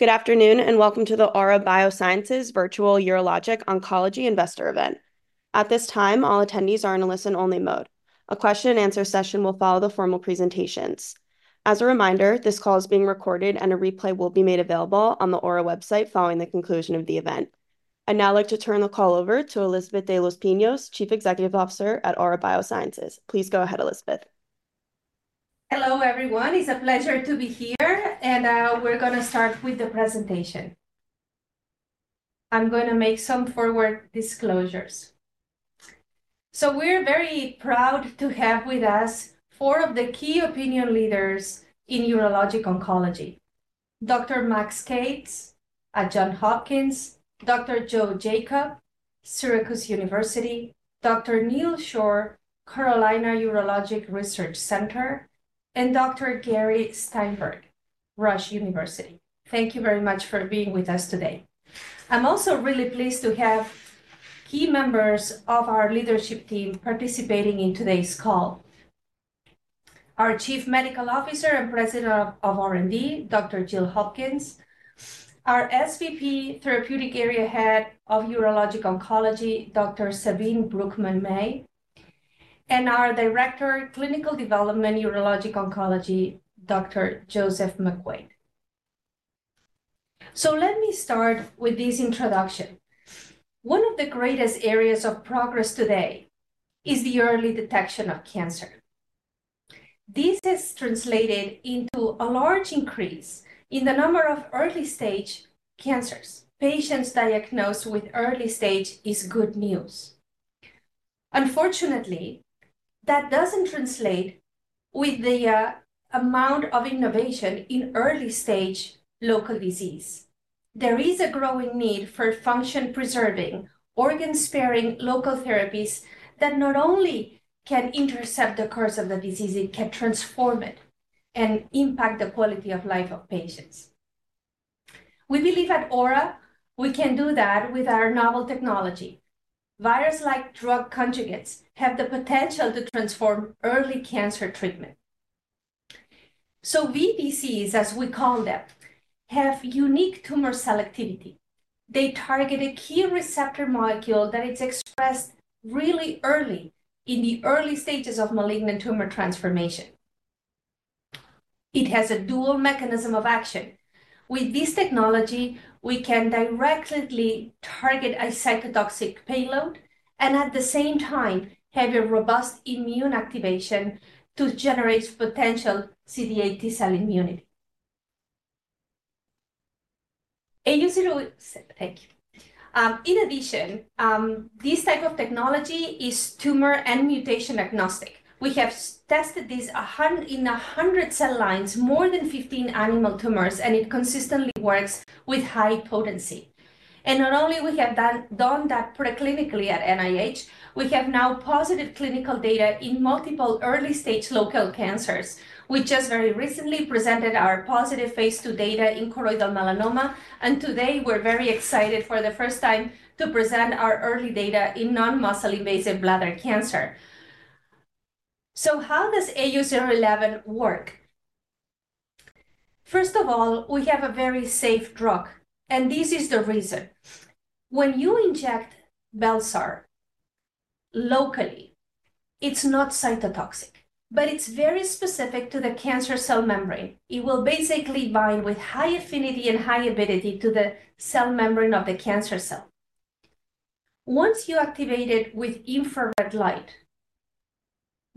Good afternoon, and welcome to the Aura Biosciences Virtual Urologic Oncology Investor event. At this time, all attendees are in a listen-only mode. A question and answer session will follow the formal presentations. As a reminder, this call is being recorded, and a replay will be made available on the Aura website following the conclusion of the event. I'd now like to turn the call over to Elisabet de los Pinos, Chief Executive Officer at Aura Biosciences. Please go ahead, Elisabet. Hello, everyone. It's a pleasure to be here, and we're going to start with the presentation. I'm going to make some forward disclosures. So we're very proud to have with us four of the key opinion leaders in urologic oncology: Dr. Max Kates at Johns Hopkins, Dr. Joseph Jacob, Syracuse University, Dr. Neal Shore, Carolina Urologic Research Center, and Dr. Gary Steinberg, Rush University. Thank you very much for being with us today. I'm also really pleased to have key members of our leadership team participating in today's call. Our Chief Medical Officer and President of R&D, Dr. Jill Hopkins, our SVP Therapeutic Area Head of Urologic Oncology, Dr. Sabine Brookman-May, and our Director, Clinical Development, Urologic Oncology, Dr. Joseph McQuaid. So let me start with this introduction. One of the greatest areas of progress today is the early detection of cancer. This has translated into a large increase in the number of early-stage cancers. Patients diagnosed with early stage is good news. Unfortunately, that doesn't translate with the amount of innovation in early-stage local disease. There is a growing need for function-preserving, organ-sparing local therapies that not only can intercept the course of the disease, it can transform it and impact the quality of life of patients. We believe at Aura we can do that with our novel technology. Virus-like drug conjugates have the potential to transform early cancer treatment. So VDCs, as we call them, have unique tumor selectivity. They target a key receptor molecule that is expressed really early in the early stages of malignant tumor transformation. It has a dual mechanism of action. With this technology, we can directly target a cytotoxic payload and at the same time have a robust immune activation to generate potential CD8 T cell immunity. Thank you. In addition, this type of technology is tumor and mutation-agnostic. We have tested this in 100 cell lines, more than 15 animal tumors, and it consistently works with high potency. And not only we have done that preclinically at NIH, we have now positive clinical data in multiple early-stage local cancers. We just very recently presented our positive phase II data in choroidal melanoma, and today we're very excited for the first time to present our early data in non-muscle invasive bladder cancer. How does AU-011 work? First of all, we have a very safe drug, and this is the reason. When you inject bel-sar locally, it's not cytotoxic, but it's very specific to the cancer cell membrane. It will basically bind with high affinity and high avidity to the cell membrane of the cancer cell. Once you activate it with infrared light,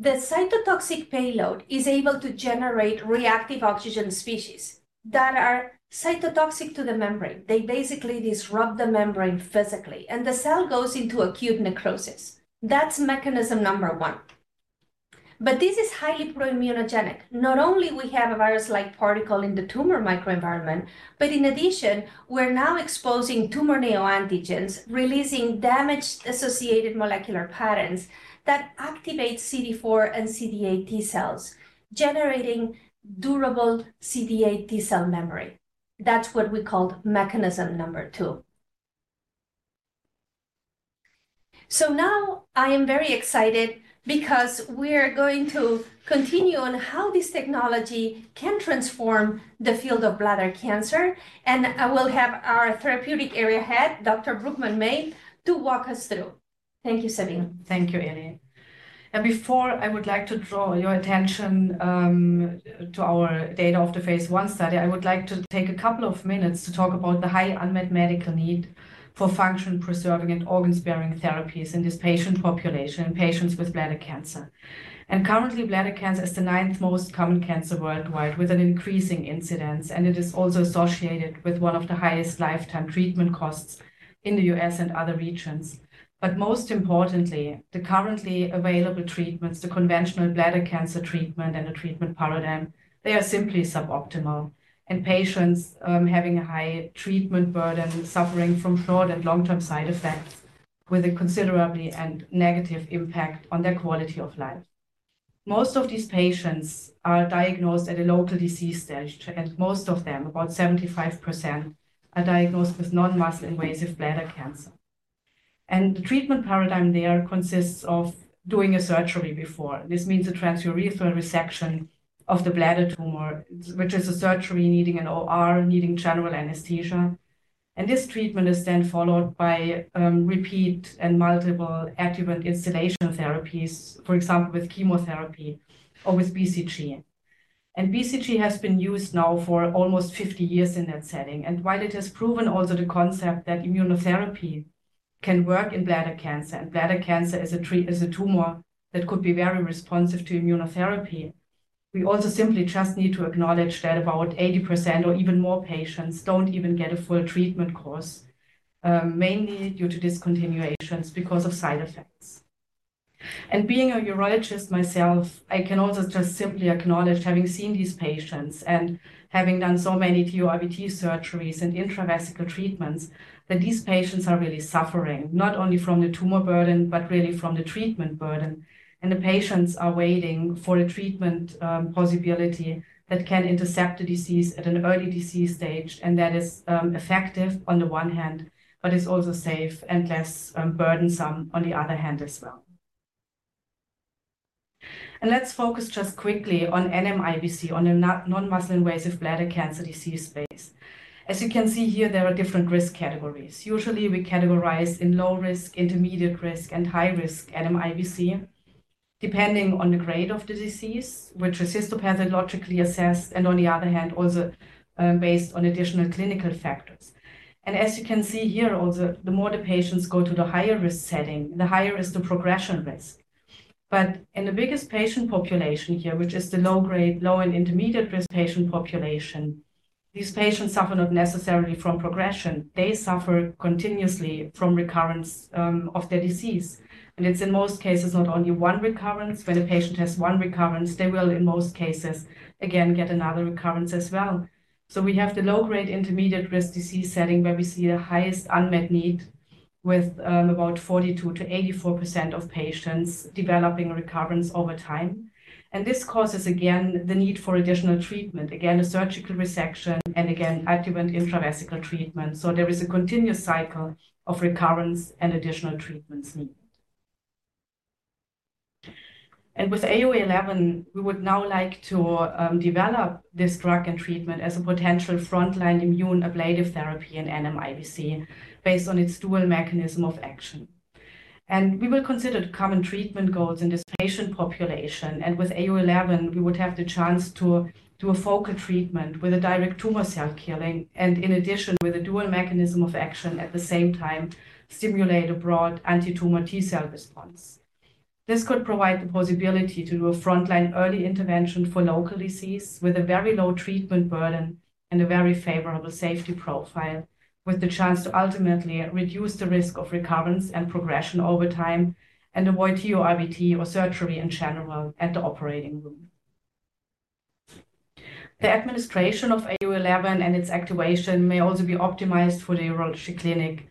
the cytotoxic payload is able to generate reactive oxygen species that are cytotoxic to the membrane. They basically disrupt the membrane physically, and the cell goes into acute necrosis. That's mechanism number one. But this is highly pro-immunogenic. Not only we have a virus-like particle in the tumor microenvironment, but in addition, we're now exposing tumor neoantigens, releasing damage-associated molecular patterns that activate CD4 and CD8 T cells, generating durable CD8 T cell memory. That's what we call mechanism number one. So now I am very excited because we're going to continue on how this technology can transform the field of bladder cancer, and I will have our therapeutic area head, Dr. Brookman-May, to walk us through. Thank you, Sabine. Thank you, Ellie. Before I would like to draw your attention to our data of the phase I study, I would like to take a couple of minutes to talk about the high unmet medical need for function-preserving and organ-sparing therapies in this patient population, patients with bladder cancer. Currently, bladder cancer is the ninth most common cancer worldwide, with an increasing incidence, and it is also associated with one of the highest lifetime treatment costs in the U.S. and other regions. Most importantly, the currently available treatments, the conventional bladder cancer treatment and the treatment paradigm, they are simply suboptimal, and patients, having a high treatment burden, suffering from short- and long-term side effects with a considerably and negative impact on their quality of life. Most of these patients are diagnosed at a local disease stage, and most of them, about 75%, are diagnosed with non-muscle invasive bladder cancer, and the treatment paradigm there consists of doing a surgery before. This means a transurethral resection of the bladder tumor, which is a surgery needing an OR, needing general anesthesia, and this treatment is then followed by repeat and multiple adjuvant instillation therapies, for example, with chemotherapy or with BCG. BCG has been used now for almost 50 years in that setting, and while it has proven also the concept that immunotherapy can work in bladder cancer, and bladder cancer is a tumor that could be very responsive to immunotherapy, we also simply just need to acknowledge that about 80% or even more patients don't even get a full treatment course, mainly due to discontinuations because of side effects. Being a urologist myself, I can also just simply acknowledge, having seen these patients and having done so many TURBT surgeries and intravesical treatments, that these patients are really suffering, not only from the tumor burden, but really from the treatment burden. And the patients are waiting for a treatment possibility that can intercept the disease at an early disease stage, and that is effective on the one hand, but is also safe and less burdensome on the other hand as well. And let's focus just quickly on NMIBC, on a non-muscle invasive bladder cancer disease space. As you can see here, there are different risk categories. Usually, we categorize in low risk, intermediate risk, and high risk NMIBC, depending on the grade of the disease, which is histopathologically assessed, and on the other hand, also based on additional clinical factors. And as you can see here, also, the more the patients go to the higher risk setting, the higher is the progression risk. But in the biggest patient population here, which is the low-grade, low- and intermediate-risk patient population, these patients suffer not necessarily from progression. They suffer continuously from recurrence of their disease, and it's in most cases, not only one recurrence. When a patient has one recurrence, they will in most cases, again, get another recurrence as well. So we have the low-grade, intermediate-risk disease setting, where we see the highest unmet need with about 42%-84% of patients developing recurrence over time. And this causes, again, the need for additional treatment. Again, a surgical resection and again, adjuvant intravesical treatment. So there is a continuous cycle of recurrence and additional treatments needed. And with AU-011, we would now like to develop this drug and treatment as a potential frontline immune ablative therapy in NMIBC based on its dual mechanism of action. We will consider the common treatment goals in this patient population, and with AU-011, we would have the chance to do a focal treatment with a direct tumor cell killing, and in addition, with a dual mechanism of action, at the same time, stimulate a broad anti-tumor T-cell response. This could provide the possibility to do a frontline early intervention for local disease with a very low treatment burden and a very favorable safety profile, with the chance to ultimately reduce the risk of recurrence and progression over time and avoid TURBT or surgery in general at the operating room. The administration of AU-011 and its activation may also be optimized for the urology clinic,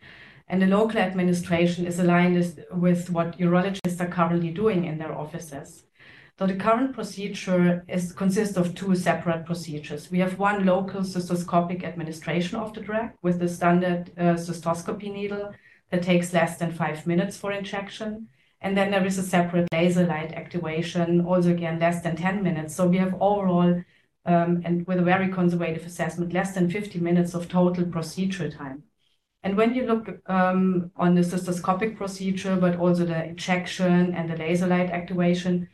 and the local administration is aligned with what urologists are currently doing in their offices. The current procedure consists of two separate procedures. We have one local cystoscopic administration of the drug with the standard, cystoscopy needle. That takes less than five minutes for injection, and then there is a separate laser light activation, also, again, less than 10 minutes, so we have overall, and with a very conservative assessment, less than 50 minutes of total procedure time, and when you look, on the cystoscopic procedure, but also the injection and the laser light activation,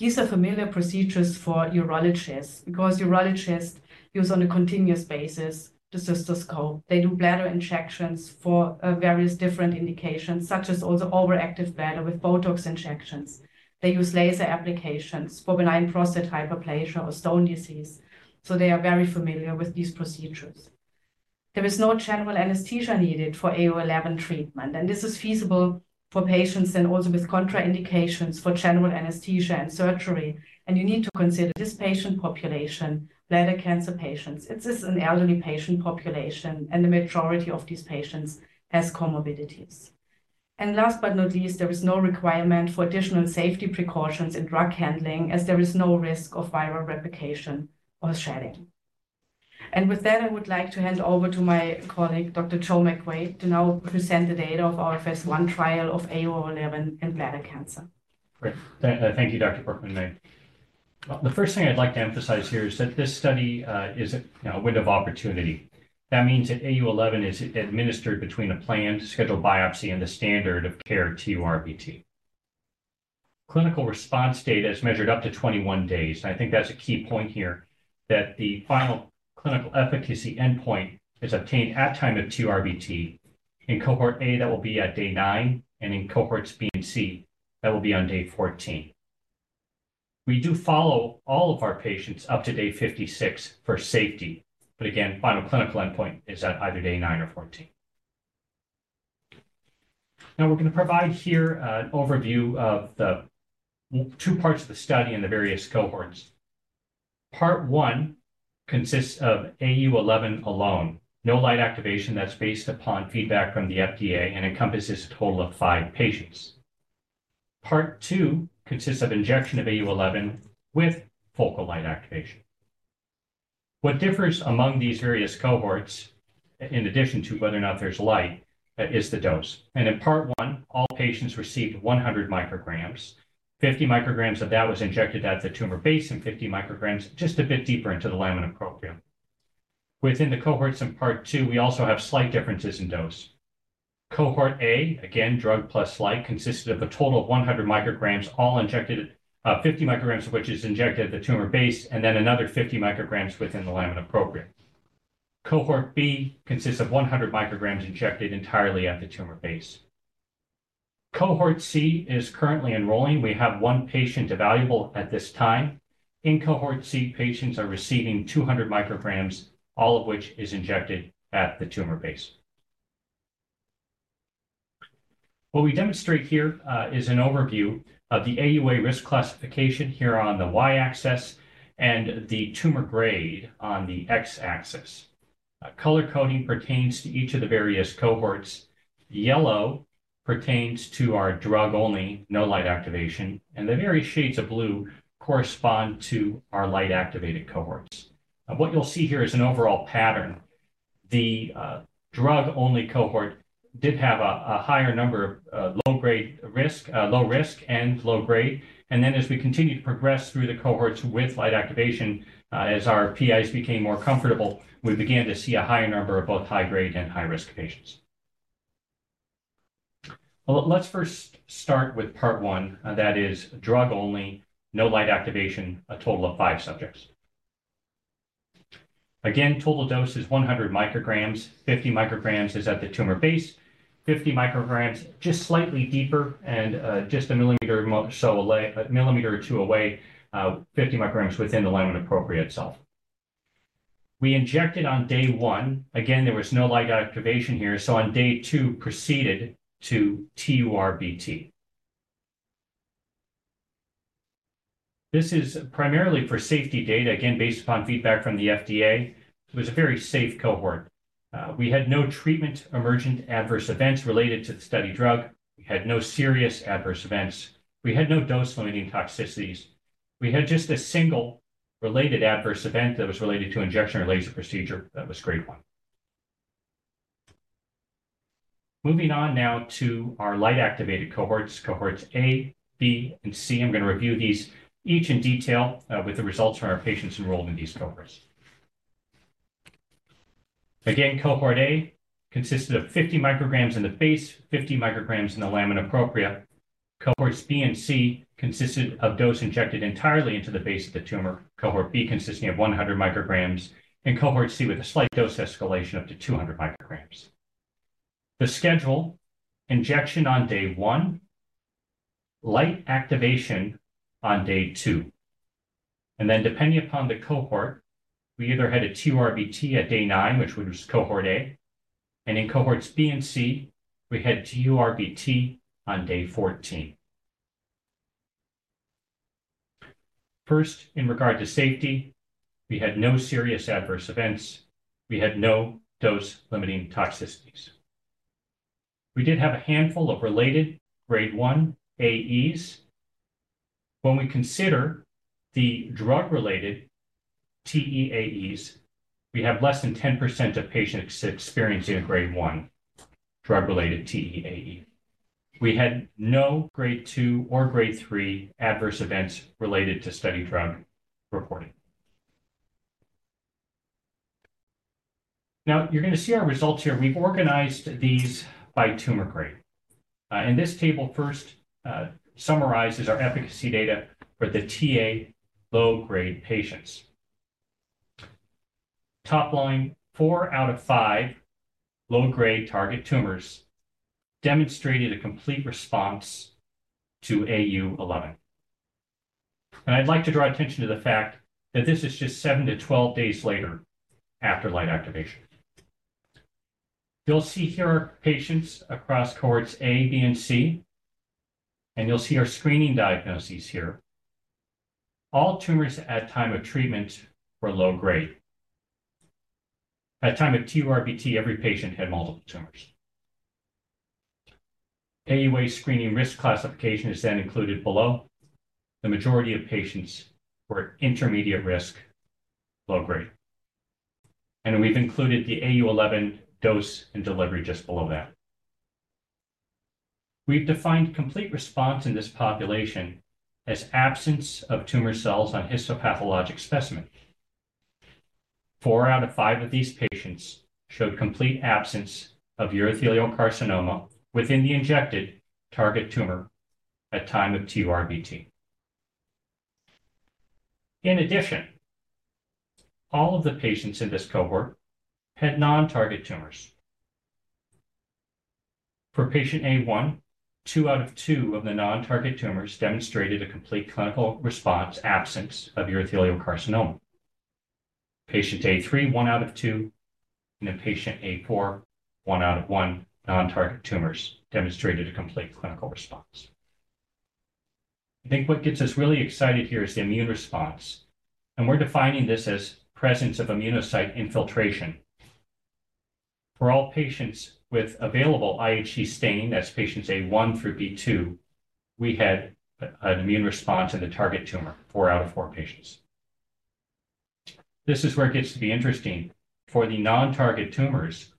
these are familiar procedures for urologists, because urologists use on a continuous basis the cystoscope. They do bladder injections for, various different indications, such as also overactive bladder with Botox injections. They use laser applications for benign prostatic hyperplasia or stone disease, so they are very familiar with these procedures. There is no general anesthesia needed for AU-011 treatment, and this is feasible for patients and also with contraindications for general anesthesia and surgery. You need to consider this patient population, bladder cancer patients. It is an elderly patient population, and the majority of these patients has comorbidities. And last but not least, there is no requirement for additional safety precautions in drug handling, as there is no risk of viral replication or shedding. And with that, I would like to hand over to my colleague, Dr. Joe McQuaid, to now present the data of our phase I trial of AU-011 in bladder cancer. Great. Thank you, Dr. Brookman-May. The first thing I'd like to emphasize here is that this study is a, you know, window of opportunity. That means that AU-011 is administered between a planned scheduled biopsy and the standard of care TURBT. Clinical response data is measured up to 21 days. I think that's a key point here, that the final clinical efficacy endpoint is obtained at time of TURBT. In Cohort A, that will be at Day 9, and in cohorts B and C, that will be on Day 14. We do follow all of our patients up to Day 56 for safety, but again, final clinical endpoint is at either Day 9 or fourteen. Now we're gonna provide here an overview of the two parts of the study and the various cohorts. Part one consists of AU-011 alone, no light activation that's based upon feedback from the FDA and encompasses a total of five patients. Part two consists of injection of AU-011 with focal light activation. What differs among these various cohorts, in addition to whether or not there's light, is the dose. And in part one, all patients received 100 micrograms. 50 micrograms of that was injected at the tumor base, and 50 micrograms just a bit deeper into the lamina propria. Within the cohorts in part two, we also have slight differences in dose. Cohort A, again, drug plus light, consisted of a total of 100 micrograms, all injected, 50 micrograms, which is injected at the tumor base, and then another 50 micrograms within the lamina propria. Cohort B consists of 100 micrograms injected entirely at the tumor base. Cohort C is currently enrolling. We have one patient evaluable at this time. In Cohort C, patients are receiving 200 micrograms, all of which is injected at the tumor base. What we demonstrate here is an overview of the AUA risk classification here on the Y-axis and the tumor grade on the X-axis. Color coding pertains to each of the various cohorts. Yellow pertains to our drug only, no light activation, and the various shades of blue correspond to our light-activated cohorts. And what you'll see here is an overall pattern. The drug-only cohort did have a higher number of low-grade risk, low risk and low grade. And then as we continued to progress through the cohorts with light activation, as our PIs became more comfortable, we began to see a higher number of both high-grade and high-risk patients. Let's first start with part one, and that is drug only, no light activation, a total of five subjects. Again, total dose is 100 micrograms. 50 micrograms is at the tumor base, 50 micrograms just slightly deeper and just a millimeter or two away, 50 micrograms within the lamina propria itself. We injected on Day 1. Again, there was no light activation here, so on Day 2, proceeded to TURBT. This is primarily for safety data, again, based upon feedback from the FDA. It was a very safe cohort. We had no treatment-emergent adverse events related to the study drug. We had no serious adverse events. We had no dose-limiting toxicities. We had just a single related adverse event that was related to injection or laser procedure. That was Grade 1. Moving on now to our light-activated cohorts, cohorts A, B, and C. I'm gonna review these each in detail, with the results from our patients enrolled in these cohorts. Again, Cohort A consisted of 50 micrograms in the base, 50 micrograms in the lamina propria. Cohorts B and C consisted of dose injected entirely into the base of the tumor, Cohort B consisting of 100 micrograms, and Cohort C with a slight dose escalation up to 200 micrograms. The schedule: injection on Day 1, light activation on Day 2, and then depending upon the cohort, we either had a TURBT at Day 9, which was Cohort A, and in cohorts B and C, we had TURBT on Day 14. First, in regard to safety, we had no serious adverse events. We had no dose-limiting toxicities. We did have a handful of related Grade 1 AEs. When we consider the drug-related TEAEs, we have less than 10% of patients experiencing a Grade 1 drug-related TEAE. We had no Grade 2 or Grade 3 adverse events related to study drug reported. Now, you're gonna see our results here. We've organized these by tumor grade, and this table first summarizes our efficacy data for the Ta low-grade patients. Top line, four out of five low-grade target tumors demonstrated a complete response to AU-011. And I'd like to draw attention to the fact that this is just seven to twelve days later after light activation. You'll see here patients across cohorts A, B, and C, and you'll see our screening diagnoses here. All tumors at time of treatment were low grade. At time of TURBT, every patient had multiple tumors. AUA screening risk classification is then included below. The majority of patients were intermediate risk, low grade, and we've included the AU-011 dose and delivery just below that. We've defined complete response in this population as absence of tumor cells on histopathologic specimen. Four out of five of these patients showed complete absence of urothelial carcinoma within the injected target tumor at time of TURBT. In addition, all of the patients in this cohort had non-target tumors. For patient A1, two out of two of the non-target tumors demonstrated a complete clinical response, absence of urothelial carcinoma. Patient A3, one out of two, and in patient A4, one out of one non-target tumors demonstrated a complete clinical response. I think what gets us really excited here is the immune response, and we're defining this as presence of immunocyte infiltration for all patients with available IHC stain, that's patients A1 through B2, we had an immune response in the target tumor, four out of four patients. This is where it gets to be interesting. For the non-target tumors,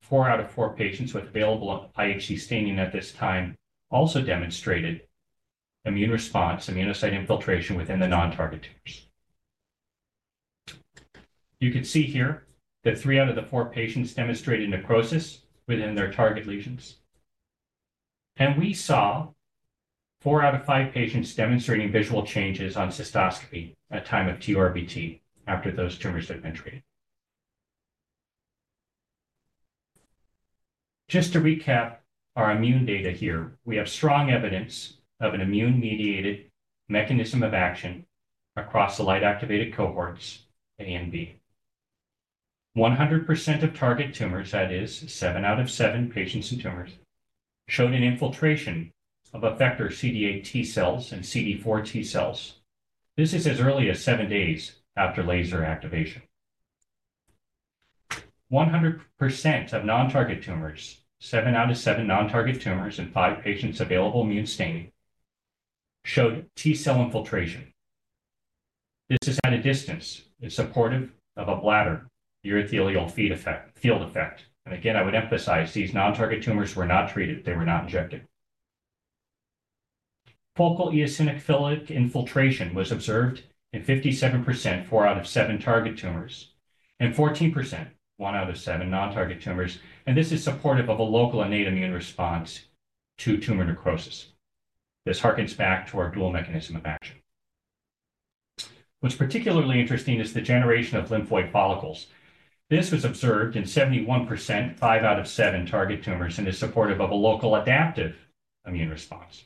four out of four patients with available IHC staining at this time also demonstrated immune response, immunocyte infiltration within the non-target tumors. You can see here that three out of the four patients demonstrated necrosis within their target lesions, and we saw four out of five patients demonstrating visual changes on cystoscopy at time of TURBT after those tumors had been treated. Just to recap our immune data here, we have strong evidence of an immune-mediated mechanism of action across the light-activated cohorts, A and B. 100% of target tumors, that is seven out of seven patients and tumors, showed an infiltration of effector CD8 T cells and CD4 T cells. This is as early as seven days after laser activation. 100% of non-target tumors, seven out of seven non-target tumors in five patients available immune staining, showed T cell infiltration. This is at a distance. It's supportive of a bladder urothelial field effect, field effect. And again, I would emphasize, these non-target tumors were not treated. They were not injected. Focal eosinophilic infiltration was observed in 57%, four out of seven target tumors, and 14%, one out of seven non-target tumors, and this is supportive of a local innate immune response to tumor necrosis. This harkens back to our dual mechanism of action. What's particularly interesting is the generation of lymphoid follicles. This was observed in 71%, five out of seven target tumors, and is supportive of a local adaptive immune response.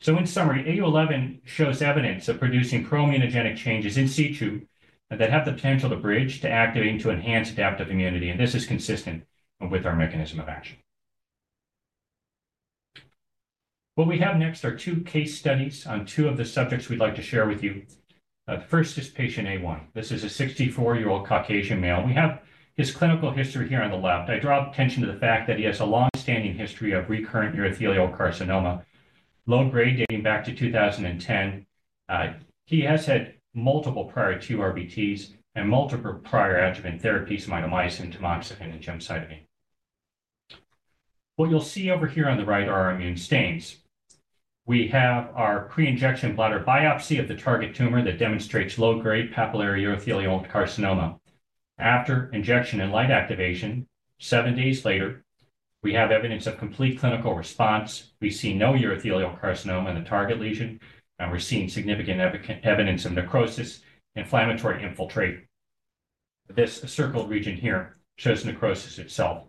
So in summary, AU-011 shows evidence of producing pro-immunogenic changes in situ that have the potential to bridge, to activate, and to enhance adaptive immunity, and this is consistent with our mechanism of action. What we have next are two case studies on two of the subjects we'd like to share with you. The first is Patient A1. This is a 64 year-old Caucasian male. We have his clinical history here on the left. I draw attention to the fact that he has a long-standing history of recurrent urothelial carcinoma, low-grade, dating back to 2010. He has had multiple prior TURBTs and multiple prior adjuvant therapies, mitomycin, tamoxifen, and gemcitabine. What you'll see over here on the right are immune stains. We have our pre-injection bladder biopsy of the target tumor that demonstrates low-grade papillary urothelial carcinoma. After injection and light activation, seven days later, we have evidence of complete clinical response. We see no urothelial carcinoma in the target lesion, and we're seeing significant evidence of necrosis, inflammatory infiltrate. This circled region here shows necrosis itself.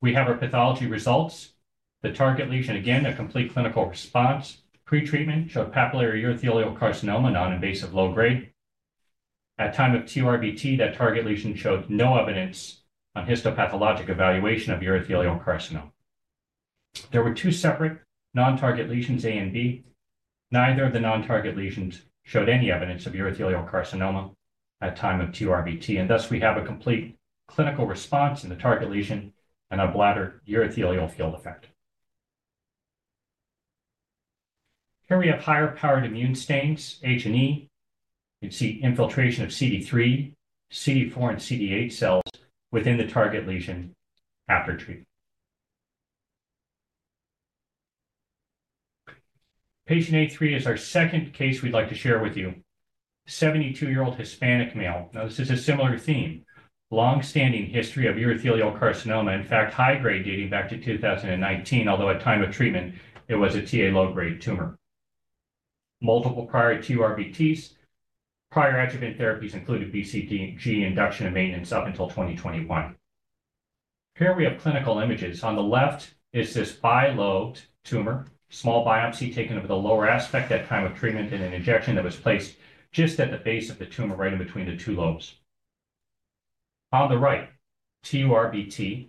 We have our pathology results. The target lesion, again, a complete clinical response. Pre-treatment showed papillary urothelial carcinoma, non-invasive, low-grade. At time of TURBT, that target lesion showed no evidence on histopathologic evaluation of urothelial carcinoma. There were two separate non-target lesions, A and B. Neither of the non-target lesions showed any evidence of urothelial carcinoma at time of TURBT, and thus, we have a complete clinical response in the target lesion and a bladder urothelial field effect. Here we have higher-powered immune stains, H&E. You can see infiltration of CD3, CD4, and CD8 cells within the target lesion after treatment. Patient A3 is our second case we'd like to share with you, 72 year-old Hispanic male. Now, this is a similar theme, long-standing history of urothelial carcinoma, in fact, high-grade dating back to 2019, although at time of treatment, it was a Ta low-grade tumor. Multiple prior TURBTs. Prior adjuvant therapies included BCG induction and maintenance up until 2021. Here we have clinical images. On the left is this bilobed tumor, small biopsy taken of the lower aspect at time of treatment, and an injection that was placed just at the base of the tumor, right in between the two lobes. On the right, TURBT.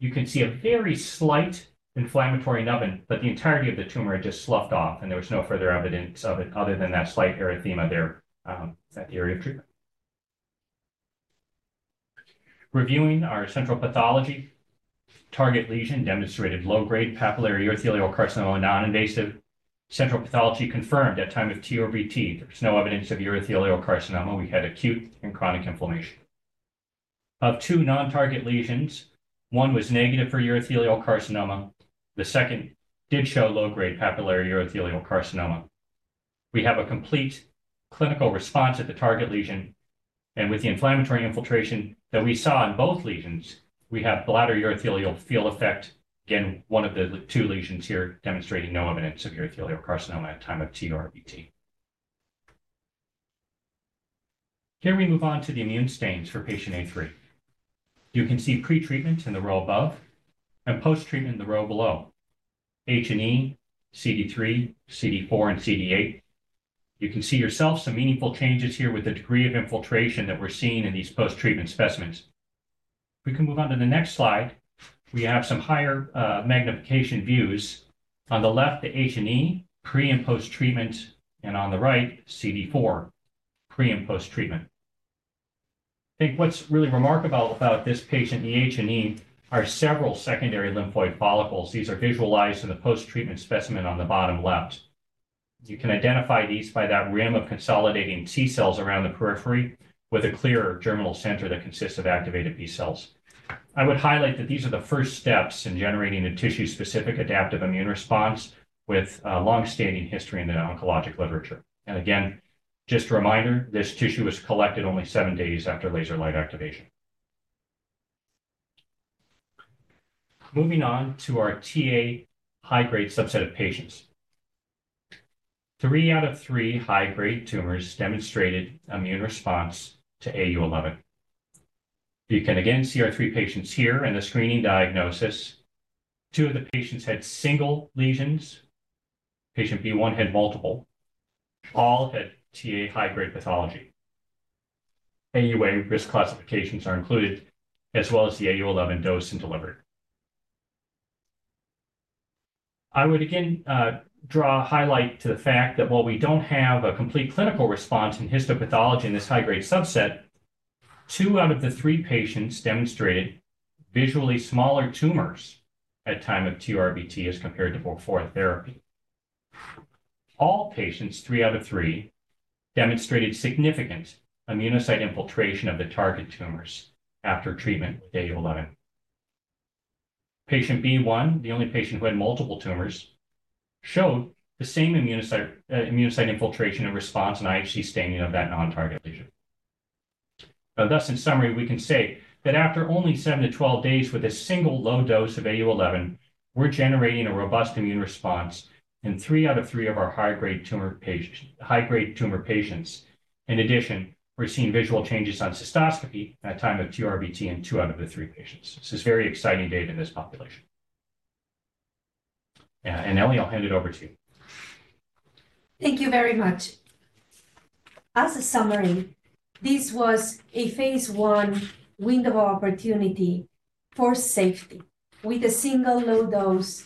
You can see a very slight inflammatory nubbin, but the entirety of the tumor had just sloughed off, and there was no further evidence of it other than that slight erythema there, at the area of treatment. Reviewing our central pathology, target lesion demonstrated low-grade papillary urothelial carcinoma, non-invasive. Central pathology confirmed at time of TURBT, there was no evidence of urothelial carcinoma. We had acute and chronic inflammation. Of two non-target lesions, one was negative for urothelial carcinoma. The second did show low-grade papillary urothelial carcinoma. We have a complete clinical response at the target lesion, and with the inflammatory infiltration that we saw in both lesions, we have bladder urothelial field effect. Again, one of the two lesions here demonstrating no evidence of urothelial carcinoma at time of TURBT. Here we move on to the immune stains for Patient A3. You can see pre-treatment in the row above and post-treatment in the row below, H&E, CD3, CD4, and CD8. You can see for yourself some meaningful changes here with the degree of infiltration that we're seeing in these post-treatment specimens. We can move on to the next slide. We have some higher magnification views. On the left, the H&E pre- and post-treatment, and on the right, CD4 pre- and post-treatment. I think what's really remarkable about this patient, the H&E, are several secondary lymphoid follicles. These are visualized in the post-treatment specimen on the bottom left. You can identify these by that rim of consolidating T-cells around the periphery, with a clear germinal center that consists of activated B-cells. I would highlight that these are the first steps in generating a tissue-specific adaptive immune response with a long-standing history in the oncologic literature. Again, just a reminder, this tissue was collected only seven days after laser light activation. Moving on to our Ta high-grade subset of patients. Three out of three high-grade tumors demonstrated immune response to AU-011. You can again see our three patients here in the screening diagnosis. Two of the patients had single lesions. Patient B1 had multiple. All had Ta high-grade pathology. AUA risk classifications are included, as well as the AU-011 dose and delivery. I would again draw highlight to the fact that while we don't have a complete clinical response in histopathology in this high-grade subset, two out of the three patients demonstrated visually smaller tumors at time of TURBT as compared to before therapy. All patients, three out of three, demonstrated significant immunocyte infiltration of the target tumors after treatment with AU-011. Patient B2, the only patient who had multiple tumors, showed the same immunocyte infiltration and response in IHC staining of that non-target lesion. Now, thus, in summary, we can say that after only seven to 12 days with a single low dose of AU-011, we're generating a robust immune response in three out of three of our high-grade tumor patients. In addition, we're seeing visual changes on cystoscopy at time of TURBT in two out of the three patients. This is very exciting data in this population. And Ellie, I'll hand it over to you. Thank you very much. As a summary, this was a phase I window of opportunity for safety, with a single low dose,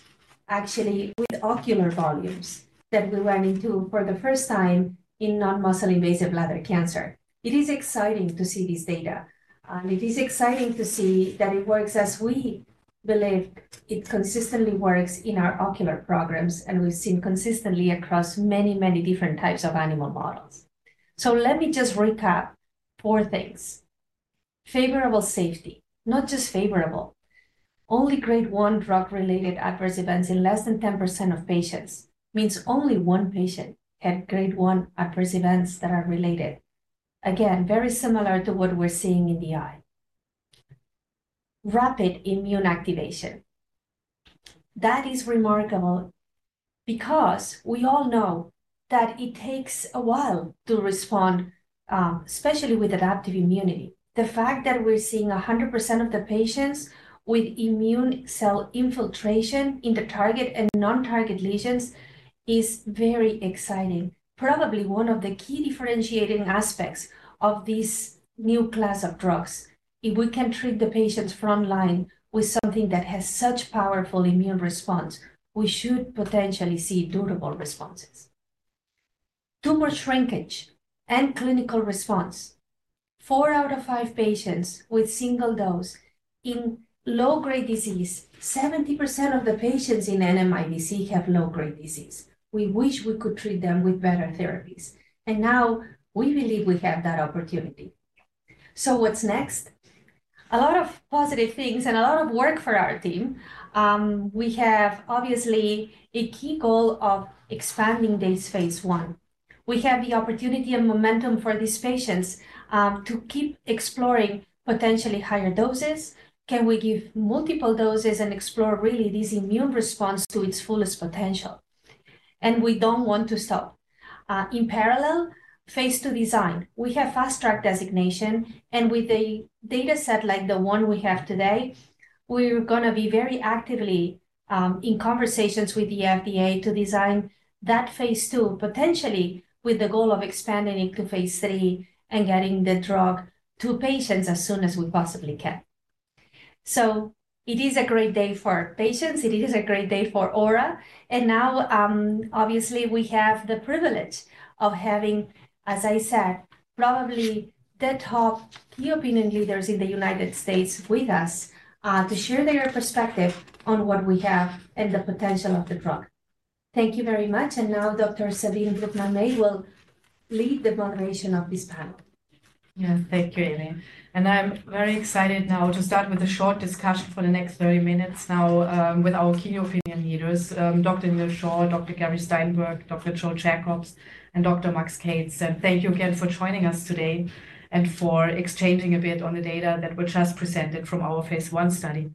actually with ocular volumes, that we went into for the first time in non-muscle invasive bladder cancer. It is exciting to see this data, and it is exciting to see that it works as we believe it consistently works in our ocular programs, and we've seen consistently across many, many different types of animal models. So let me just recap four things. Favorable safety. Not just favorable, only grade 1 drug-related adverse events in less than 10% of patients. Means only one patient had grade 1 adverse events that are related. Again, very similar to what we're seeing in the eye. Rapid immune activation. That is remarkable because we all know that it takes a while to respond, especially with adaptive immunity. The fact that we're seeing 100% of the patients with immune cell infiltration in the target and non-target lesions is very exciting. Probably one of the key differentiating aspects of this new class of drugs, if we can treat the patients frontline with something that has such powerful immune response, we should potentially see durable responses. Tumor shrinkage and clinical response. Four out of five patients with single dose in low-grade disease, 70% of the patients in NMIBC have low-grade disease. We wish we could treat them with better therapies, and now we believe we have that opportunity. So what's next? A lot of positive things and a lot of work for our team. We have obviously a key goal of expanding this phase I. We have the opportunity and momentum for these patients to keep exploring potentially higher doses. Can we give multiple doses and explore really this immune response to its fullest potential? And we don't want to stop. In parallel, phase II design. We have fast-track designation, and with a dataset like the one we have today, we're gonna be very actively in conversations with the FDA to design that phase II, potentially with the goal of expanding it to phase III and getting the drug to patients as soon as we possibly can. So it is a great day for our patients. It is a great day for Aura. And now, obviously, we have the privilege of having, as I said, probably the top key opinion leaders in the United States with us to share their perspective on what we have and the potential of the drug. Thank you very much. And now Dr. Sabine Brookman-May will lead the moderation of this panel. Yeah. Thank you, Ellie. I am very excited now to start with a short discussion for the next thirty minutes now with our key opinion leaders, Dr. Neal Shore, Dr. Gary Steinberg, Dr. Joseph Jacob, and Dr. Max Kates. Thank you again for joining us today and for exchanging a bit on the data that was just presented from our phase I study.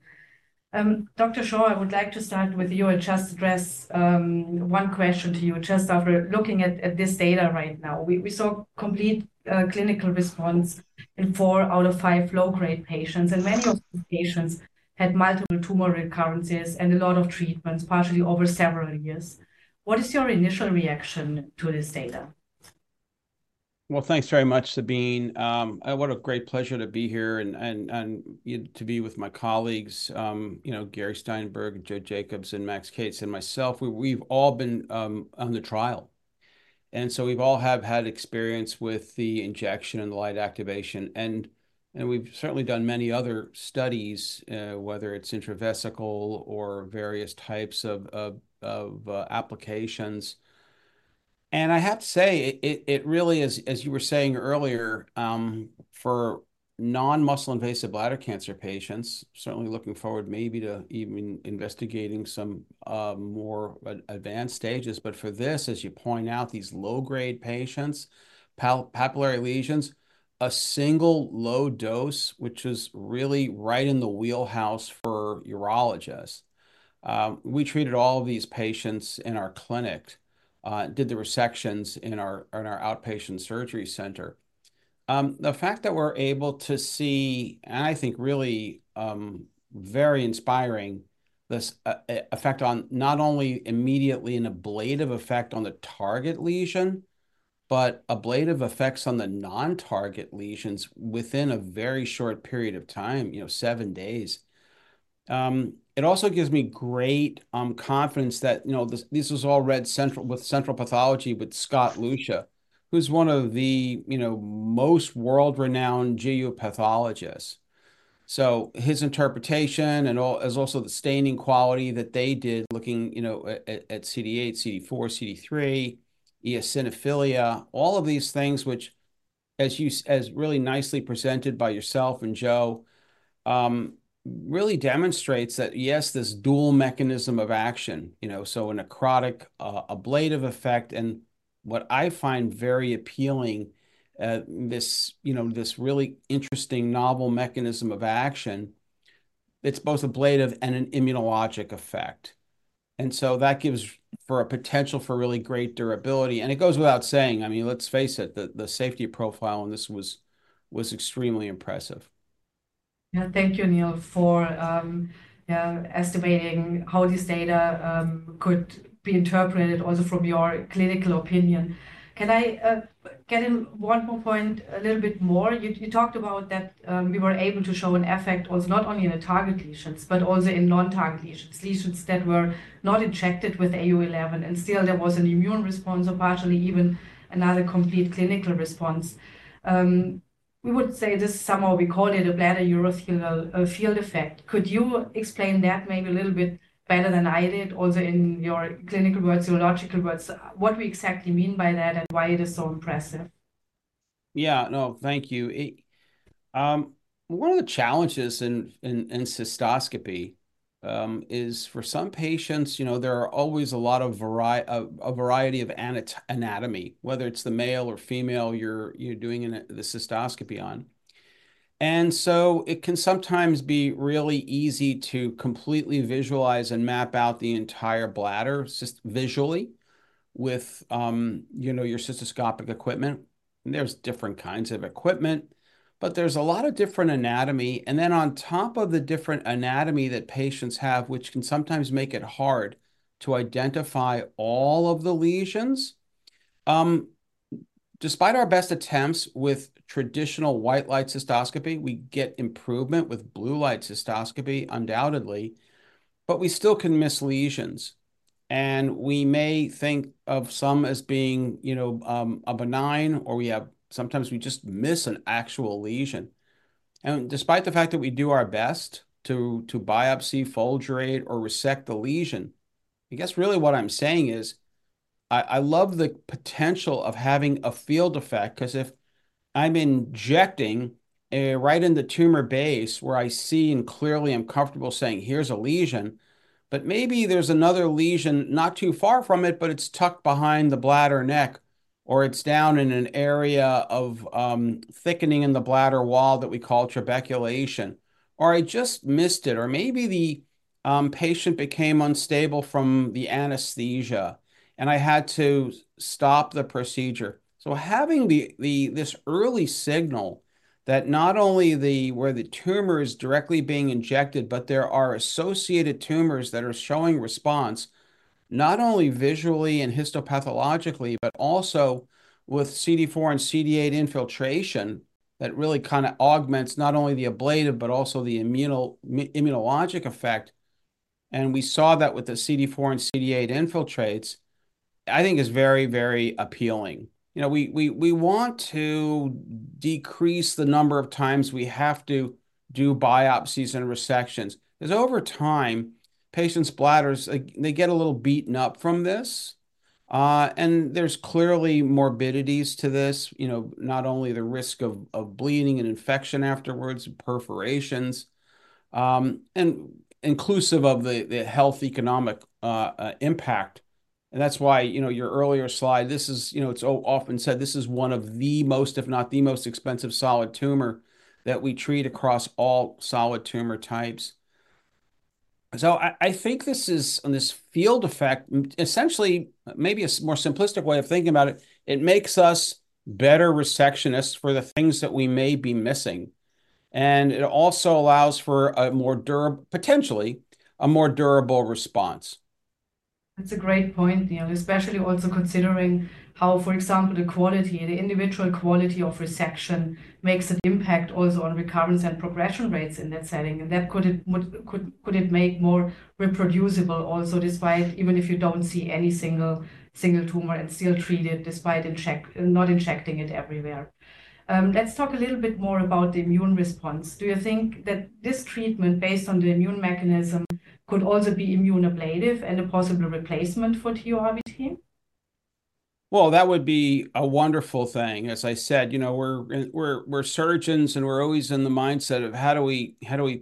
Dr. Shore, I would like to start with you and just address one question to you just after looking at this data right now. We saw complete clinical response in four out of five low-grade patients, and many of the patients had multiple tumor recurrences and a lot of treatments, partially over several years. What is your initial reaction to this data? Thanks very much, Sabine, and what a great pleasure to be here and to be with my colleagues, you know, Gary Steinberg, Joe Jacob, and Max Kates, and myself. We've all been on the trial, and so we've all had experience with the injection and the light activation. We've certainly done many other studies, whether it's intravesical or various types of applications. I have to say, it really is, as you were saying earlier, for non-muscle invasive bladder cancer patients, certainly looking forward maybe to even investigating some more advanced stages, but for this, as you point out, these low-grade patients, papillary lesions, a single low dose, which is really right in the wheelhouse for urologists. We treated all of these patients in our clinic, did the resections in our outpatient surgery center. The fact that we're able to see, and I think really very inspiring, this effect on not only immediately an ablative effect on the target lesion, but ablative effects on the non-target lesions within a very short period of time, you know, seven days. It also gives me great confidence that, you know, this was all read centrally with central pathology, with Scott Lucia, who's one of the, you know, most world-renowned GU pathologists. So his interpretation and also the staining quality that they did, looking, you know, at CD8, CD4, CD3, eosinophilia, all of these things, which, as you really nicely presented by yourself and Joe, really demonstrates that, yes, this dual mechanism of action, you know, so a necrotic ablative effect. And what I find very appealing, this, you know, this really interesting novel mechanism of action, it's both ablative and an immunologic effect. And so that gives for a potential for really great durability. And it goes without saying, I mean, let's face it, the safety profile on this was extremely impressive. Yeah. Thank you, Neal, for estimating how this data could be interpreted also from your clinical opinion. Can I get in one more point a little bit more? You talked about that we were able to show an effect was not only in the target lesions, but also in non-target lesions, lesions that were not injected with AU-011, and still there was an immune response, or partially even another complete clinical response. We would say this, somehow we call it a bladder urothelial field effect. Could you explain that maybe a little bit better than I did, also in your clinical words, urological words, what we exactly mean by that and why it is so impressive? Yeah. No, thank you. One of the challenges in cystoscopy is for some patients, you know, there are always a lot of variety of anatomy, whether it's the male or female, you're doing the cystoscopy on. And so it can sometimes be really easy to completely visualize and map out the entire bladder visually with you know your cystoscopic equipment. And there's different kinds of equipment, but there's a lot of different anatomy. And then on top of the different anatomy that patients have, which can sometimes make it hard to identify all of the lesions, despite our best attempts with traditional white light cystoscopy, we get improvement with blue light cystoscopy, undoubtedly, but we still can miss lesions. And we may think of some as being, you know, a benign, or sometimes we just miss an actual lesion. And despite the fact that we do our best to biopsy, fulgurate, or resect the lesion, I guess really what I'm saying is, I love the potential of having a field effect, 'cause if I'm injecting right in the tumor base where I see and clearly I'm comfortable saying, "Here's a lesion," but maybe there's another lesion not too far from it, but it's tucked behind the bladder neck, or it's down in an area of thickening in the bladder wall that we call trabeculation, or I just missed it, or maybe the patient became unstable from the anesthesia, and I had to stop the procedure. So having this early signal that not only where the tumor is directly being injected, but there are associated tumors that are showing response, not only visually and histopathologically, but also with CD4 and CD8 infiltration, that really kinda augments not only the ablative, but also the immunologic effect, and we saw that with the CD4 and CD8 infiltrates, I think is very, very appealing. You know, we want to decrease the number of times we have to do biopsies and resections, 'cause over time, patients' bladders, like, they get a little beaten up from this. And there's clearly morbidities to this, you know, not only the risk of bleeding and infection afterwards, perforations, and inclusive of the health economic impact. And that's why, you know, your earlier slide, this is you know, it's often said, this is one of the most, if not the most expensive solid tumor that we treat across all solid tumor types. So I think this is, on this field effect, essentially, maybe a more simplistic way of thinking about it, it makes us better resectionists for the things that we may be missing, and it also allows for a more, potentially a more durable response. That's a great point, Neal, especially also considering how, for example, the quality, the individual quality of resection makes an impact also on recurrence and progression rates in that setting, and could it make more reproducible also, despite even if you don't see any single tumor and still treat it despite not injecting it everywhere? Let's talk a little bit more about the immune response. Do you think that this treatment, based on the immune mechanism, could also be immune ablative and a possible replacement for TURBT? That would be a wonderful thing. As I said, you know, we're surgeons, and we're always in the mindset of how do we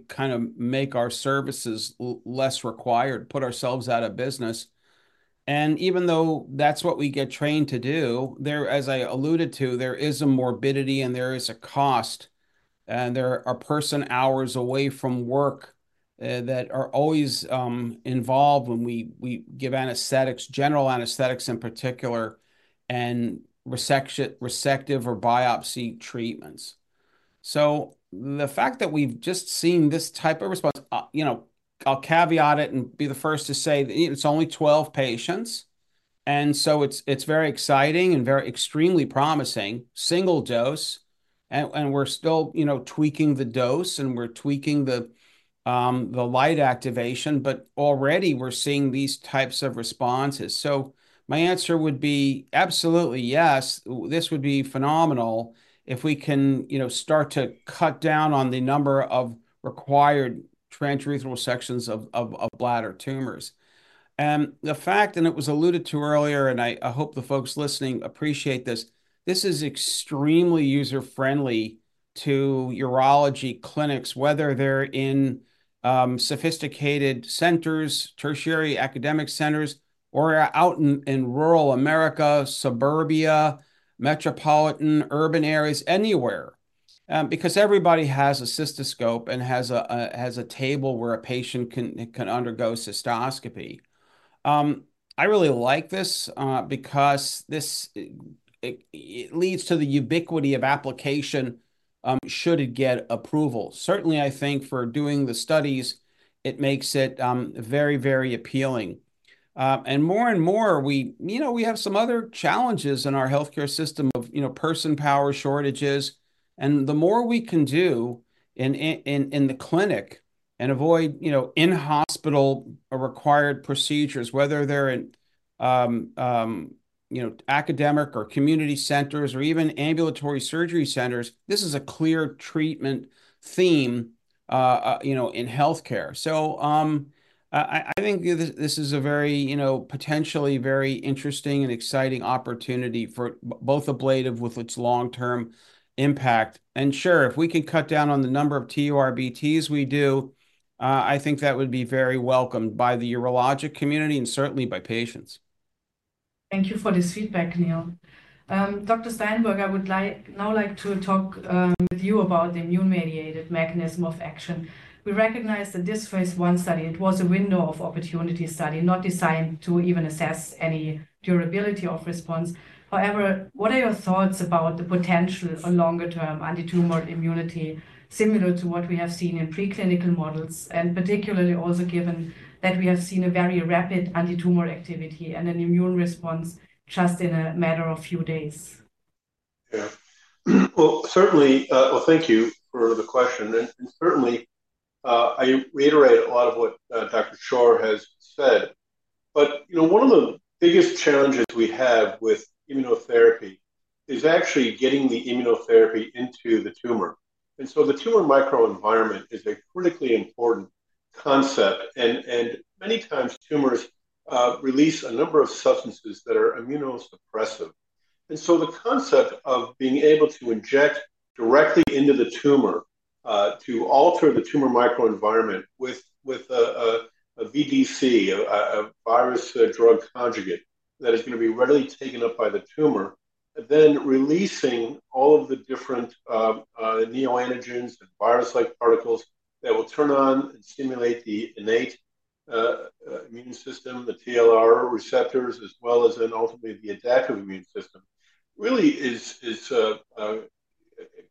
kind of make our services less required, put ourselves out of business? And even though that's what we get trained to do, there, as I alluded to, there is a morbidity and there is a cost, and there are person-hours away from work that are always involved when we give anesthetics, general anesthetics in particular, and resection, resective or biopsy treatments. So the fact that we've just seen this type of response, you know, I'll caveat it and be the first to say that it's only twelve patients, and so it's very exciting and very extremely promising, single dose, and we're still, you know, tweaking the dose, and we're tweaking the light activation, but already we're seeing these types of responses. So my answer would be absolutely yes. This would be phenomenal if we can, you know, start to cut down on the number of required transurethral resections of bladder tumors. The fact, it was alluded to earlier, and I hope the folks listening appreciate this. This is extremely user-friendly to urology clinics, whether they're in sophisticated centers, tertiary academic centers, or out in rural America, suburbia, metropolitan, urban areas, anywhere, because everybody has a cystoscope and has a table where a patient can undergo cystoscopy. I really like this because it leads to the ubiquity of application should it get approval. Certainly, I think for doing the studies, it makes it very, very appealing. And more and more, we, you know, have some other challenges in our healthcare system of, you know, person power shortages, and the more we can do in the clinic and avoid, you know, in-hospital required procedures, whether they're in, you know, academic or community centers or even ambulatory surgery centers. This is a clear treatment theme, you know, in healthcare, so I think this is a very, you know, potentially very interesting and exciting opportunity for both ablative with its long-term impact, and sure, if we can cut down on the number of TURBTs we do, I think that would be very welcomed by the urologic community and certainly by patients. Thank you for this feedback, Neal. Dr. Steinberg, I would like now to talk with you about the immune-mediated mechanism of action. We recognize that this phase I study, it was a window of opportunity study, not designed to even assess any durability of response. However, what are your thoughts about the potential for longer-term antitumor immunity, similar to what we have seen in preclinical models, and particularly also given that we have seen a very rapid antitumor activity and an immune response just in a matter of few days? Yeah. Well, certainly. Well, thank you for the question, and, and certainly, I reiterate a lot of what Dr. Shore has said. But, you know, one of the biggest challenges we have with immunotherapy is actually getting the immunotherapy into the tumor. And so the tumor microenvironment is a critically important concept, and, and many times, tumors release a number of substances that are immunosuppressive. And so the concept of being able to inject directly into the tumor to alter the tumor microenvironment with a VDC, a virus-like drug conjugate that is gonna be readily taken up by the tumor, then releasing all of the different neoantigens and virus-like particles that will turn on and stimulate the innate immune system, the TLR receptors, as well as then ultimately the adaptive immune system, really is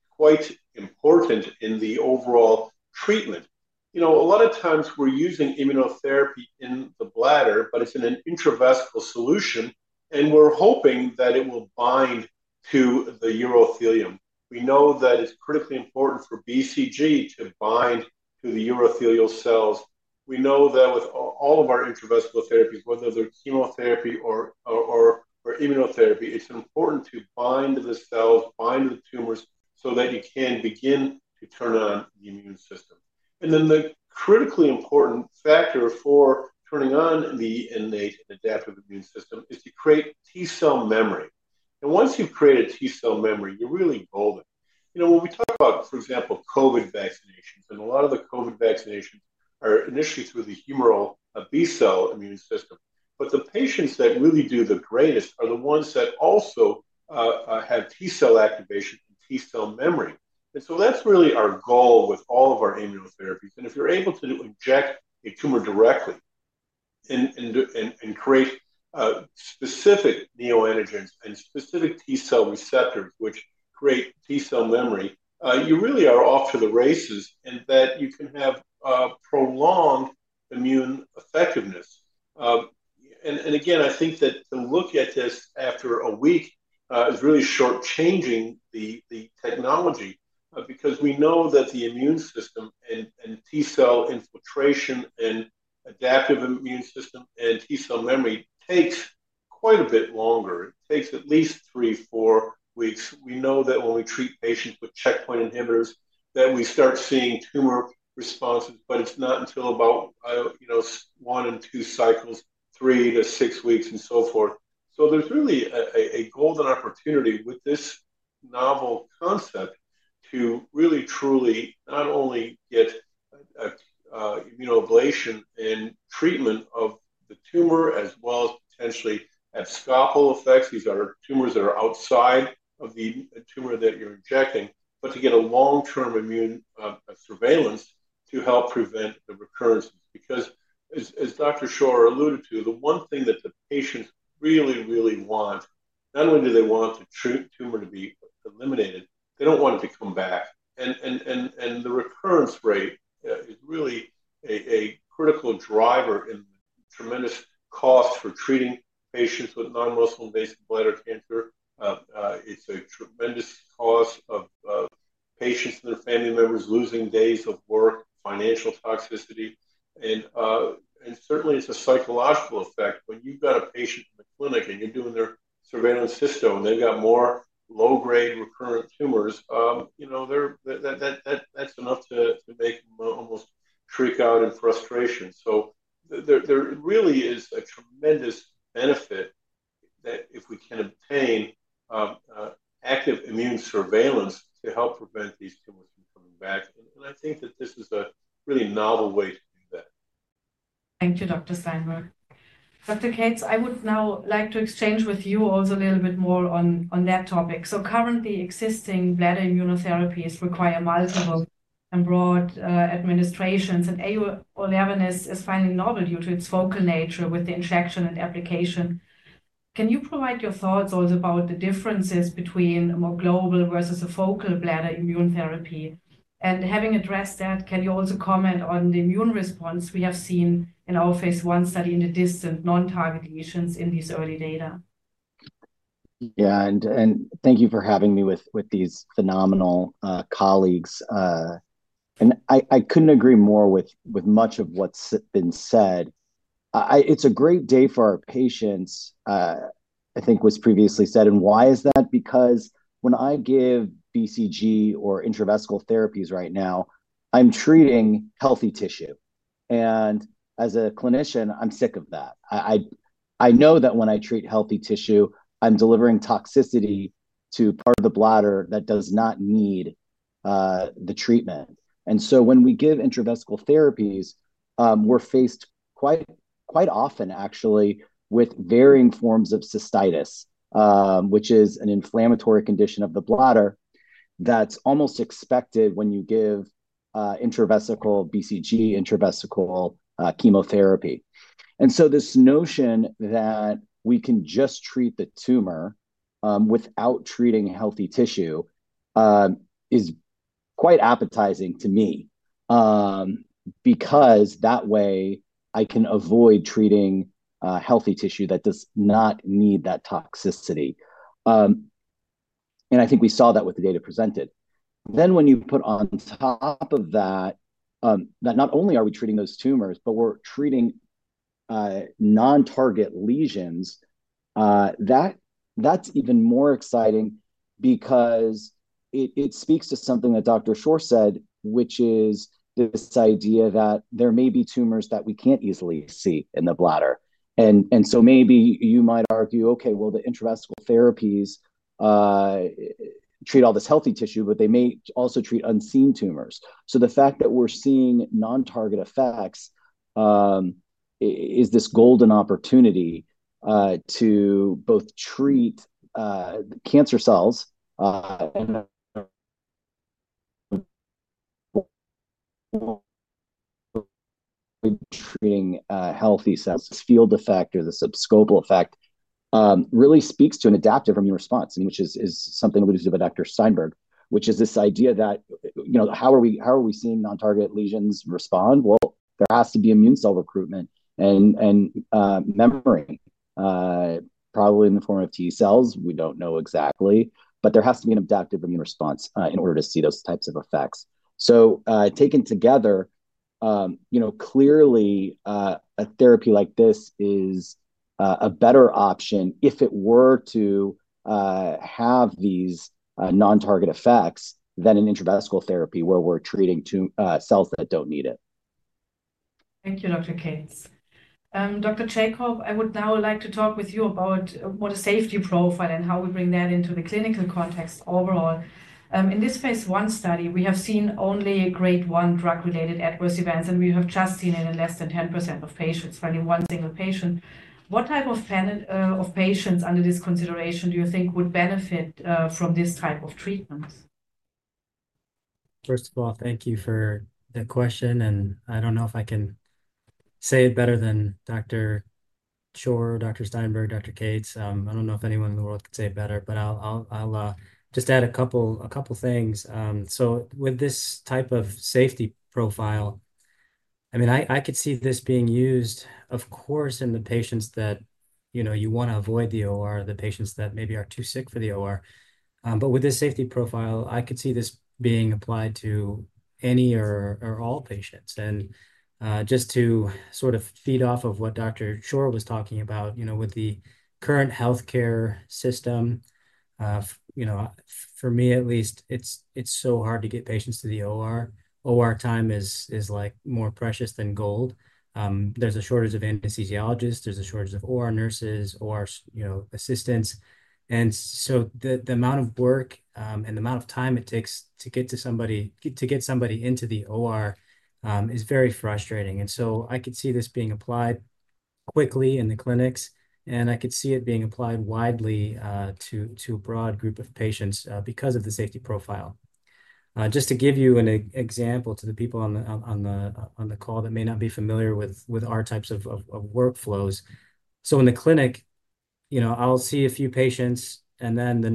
quite important in the overall treatment. You know, a lot of times we're using immunotherapy in the bladder, but it's in an intravesical solution, and we're hoping that it will bind to the urothelium. We know that it's critically important for BCG to bind to the urothelial cells. We know that with all of our intravesical therapies, whether they're chemotherapy or immunotherapy, it's important to bind the cells, bind the tumors, so that you can begin to turn on the immune system. And then the critically important factor for turning on the innate and adaptive immune system is to create T cell memory, and once you've created T cell memory, you're really golden. You know, when we talk about, for example, COVID vaccinations, and a lot of the COVID vaccinations are initially through the humoral B cell immune system, but the patients that really do the greatest are the ones that also have T cell activation and T cell memory. And so that's really our goal with all of our immunotherapies, and if you're able to inject a tumor directly and create specific neoantigens and specific T cell receptors, which create T cell memory, you really are off to the races, and that you can have prolonged immune effectiveness. And again, I think that to look at this after a week is really short-changing the technology, because we know that the immune system and T cell infiltration and adaptive immune system and T cell memory takes quite a bit longer. It takes at least three, four weeks. We know that when we treat patients with checkpoint inhibitors, that we start seeing tumor responses, but it's not until about, you know, one and two cycles, three to six weeks, and so forth. So there's really a golden opportunity with this novel concept to really, truly not only get a immunoablation and treatment of the tumor, as well as potentially have abscopal effects. These are tumors that are outside of the tumor that you're injecting, but to get a long-term immune surveillance to help prevent the recurrences. Because as Dr. Shore alluded to, the one thing that the patients really, really want, not only do they want the tumor to be eliminated, they don't want it to come back. And the recurrence rate is really a critical driver in the tremendous cost for treating patients with non-muscle invasive bladder cancer. It's a tremendous cost of patients and their family members losing days of work, financial toxicity, and certainly it's a psychological effect. When you've got a patient in the clinic, and you're doing their surveillance cysto, and they've got more low-grade recurrent tumors, you know, they're-- that's enough to make them almost freak out in frustration. There really is a tremendous benefit that if we can obtain active immune surveillance to help prevent these tumors from coming back, and I think that this is a really novel way to do that. Thank you, Dr. Steinberg. Dr. Kates, I would now like to exchange with you also a little bit more on, on that topic. So currently existing bladder immunotherapies require multiple and broad administrations, and AU-011 is finally novel due to its focal nature with the injection and application. Can you provide your thoughts also about the differences between a more global versus a focal bladder immune therapy? And having addressed that, can you also comment on the immune response we have seen in our phase I study in the distant non-target lesions in these early data? Yeah, and thank you for having me with these phenomenal colleagues. And I couldn't agree more with much of what's been said. It's a great day for our patients, I think was previously said, and why is that? Because when I give BCG or intravesical therapies right now, I'm treating healthy tissue, and as a clinician, I'm sick of that. I know that when I treat healthy tissue, I'm delivering toxicity to part of the bladder that does not need the treatment. And so when we give intravesical therapies, we're faced quite often actually, with varying forms of cystitis, which is an inflammatory condition of the bladder that's almost expected when you give intravesical BCG, intravesical chemotherapy. And so this notion that we can just treat the tumor without treating healthy tissue is quite appetizing to me. Because that way I can avoid treating healthy tissue that does not need that toxicity. And I think we saw that with the data presented. Then, when you put on top of that, that not only are we treating those tumors, but we're treating non-target lesions, that's even more exciting because it speaks to something that Dr. Shore said, which is this idea that there may be tumors that we can't easily see in the bladder. So maybe you might argue, "Okay, well, the intravesical therapies treat all this healthy tissue, but they may also treat unseen tumors." So the fact that we're seeing non-target effects is this golden opportunity to both treat cancer cells and treating healthy cells. This field effect or the abscopal effect really speaks to an adaptive immune response, and which is something alluded to by Dr. Steinberg, which is this idea that, you know, how are we seeing non-target lesions respond? Well, there has to be immune cell recruitment and memory, probably in the form of T cells, we don't know exactly, but there has to be an adaptive immune response in order to see those types of effects. Taken together, you know, clearly, a therapy like this is a better option if it were to have these non-target effects than an intravesical therapy, where we're treating tumor cells that don't need it. Thank you, Dr. Kates. Dr. Jacob, I would now like to talk with you about what a safety profile and how we bring that into the clinical context overall. In this phase I study, we have seen only a Grade 1 drug-related adverse events, and we have just seen it in less than 10% of patients, finding one single patient. What type of patients under this consideration do you think would benefit from this type of treatments? First of all, thank you for that question, and I don't know if I can say it better than Dr. Shore, Dr. Steinberg, Dr. Kates. I don't know if anyone in the world could say it better, but I'll just add a couple things. So with this type of safety profile, I mean, I could see this being used, of course, in the patients that, you know, you wanna avoid the OR, the patients that maybe are too sick for the OR. But with this safety profile, I could see this being applied to any or all patients. And just to sort of feed off of what Dr. Shore was talking about, you know, with the current healthcare system, you know, for me at least, it's so hard to get patients to the OR. OR time is like more precious than gold. There's a shortage of anesthesiologists. There's a shortage of OR nurses, OR assistants, you know, and so the amount of work and the amount of time it takes to get somebody into the OR is very frustrating. And so I could see this being applied quickly in the clinics, and I could see it being applied widely to a broad group of patients because of the safety profile. Just to give you an example to the people on the call that may not be familiar with our types of workflows. So in the clinic, you know, I'll see a few patients, and then the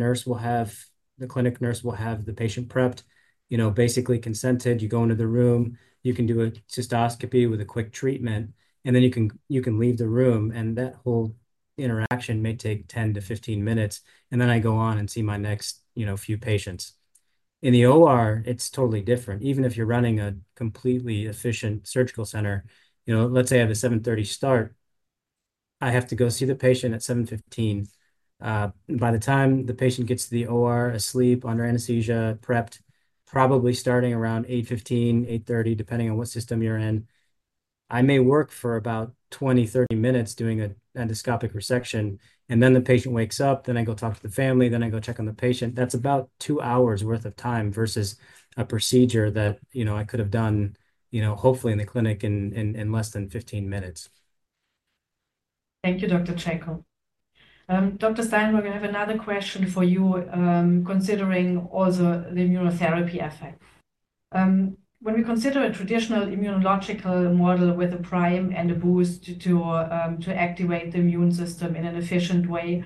clinic nurse will have the patient prepped, you know, basically consented. You go into the room, you can do a cystoscopy with a quick treatment, and then you can, you can leave the room, and that whole interaction may take 10-15 minutes, and then I go on and see my next, you know, few patients. In the OR, it's totally different. Even if you're running a completely efficient surgical center, you know, let's say I have a 7:30 A.M. start, I have to go see the patient at 7:15 A.M. By the time the patient gets to the OR, asleep, under anesthesia, prepped, probably starting around 8:15 A.M., 8:30 A.M., depending on what system you're in. I may work for about 20-30 minutes doing an endoscopic resection, and then the patient wakes up, then I go talk to the family, then I go check on the patient. That's about two hours worth of time versus a procedure that, you know, I could have done, you know, hopefully in the clinic in less than fifteen minutes. Thank you, Dr. Jacob. Dr. Steinberg, I have another question for you, considering also the abscopal effect. When we consider a traditional immunological model with a prime and a boost to activate the immune system in an efficient way,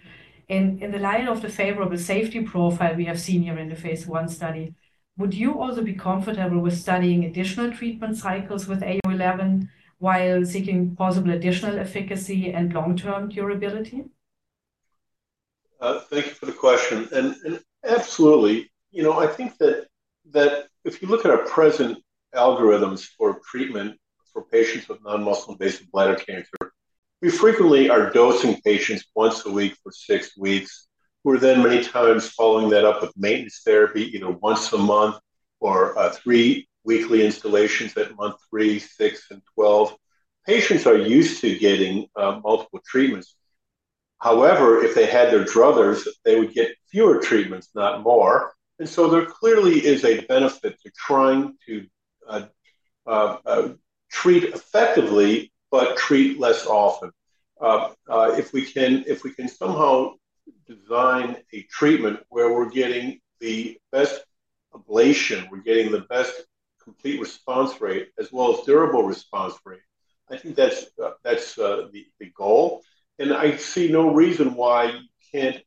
in the light of the favorable safety profile we have seen here in the phase I study, would you also be comfortable with studying additional treatment cycles with AU-011 while seeking possible additional efficacy and long-term curability? Thank you for the question, and absolutely. You know, I think that if you look at our present algorithms for treatment for patients with non-muscle invasive bladder cancer, we frequently are dosing patients once a week for six weeks, who are then many times following that up with maintenance therapy, you know, once a month or three weekly instillations at month three, six, and 12. Patients are used to getting multiple treatments. However, if they had their druthers, they would get fewer treatments, not more, and so there clearly is a benefit to trying to treat effectively, but treat less often. If we can somehow design a treatment where we're getting the best ablation, we're getting the best complete response rate as well as durable response rate, I think that's the goal, and I see no reason why you can't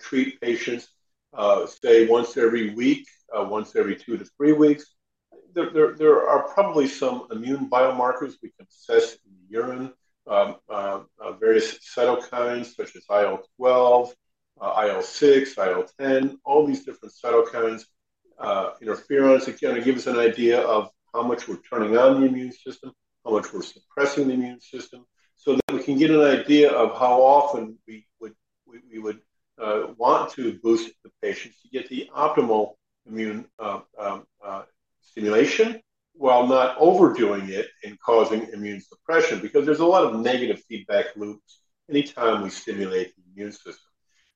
treat patients, say, once every week, once every two to three weeks. There are probably some immune biomarkers we can assess in the urine, various cytokines, such as IL-12, IL-6, IL-10, all these different cytokines, interferons, that kind of give us an idea of how much we're turning on the immune system, how much we're suppressing the immune system, so that we can get an idea of how often we would want to boost the patients to get the optimal immune stimulation, while not overdoing it and causing immune suppression, because there's a lot of negative feedback loops anytime we stimulate the immune system.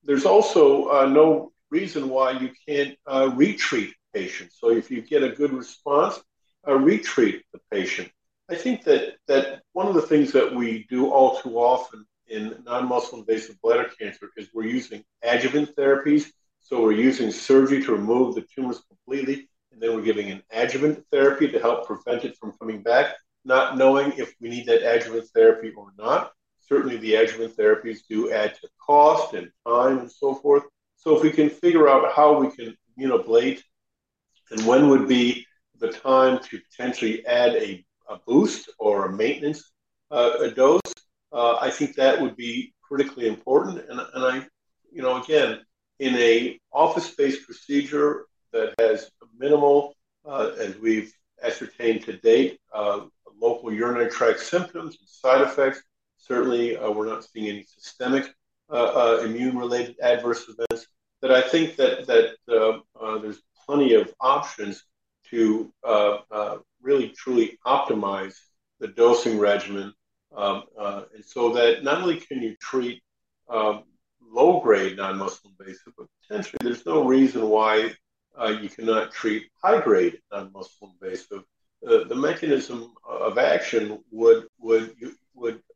There's also no reason why you can't retreat the patient. So if you get a good response, retreat the patient. I think that one of the things that we do all too often in non-muscle invasive bladder cancer is we're using adjuvant therapies, so we're using surgery to remove the tumors completely, and then we're giving an adjuvant therapy to help prevent it from coming back, not knowing if we need that adjuvant therapy or not. Certainly, the adjuvant therapies do add to cost and time and so forth. So if we can figure out how we can, you know, ablate and when would be the time to potentially add a boost or a maintenance dose, I think that would be critically important. And I, you know, again, in an office-based procedure that has minimal, as we've ascertained to date, local urinary tract symptoms and side effects, certainly, we're not seeing any systemic immune-related adverse events. But I think that there's plenty of options to really truly optimize the dosing regimen, and so that not only can you treat low-grade non-muscle invasive, but potentially there's no reason why you cannot treat high-grade non-muscle invasive. The mechanism of action would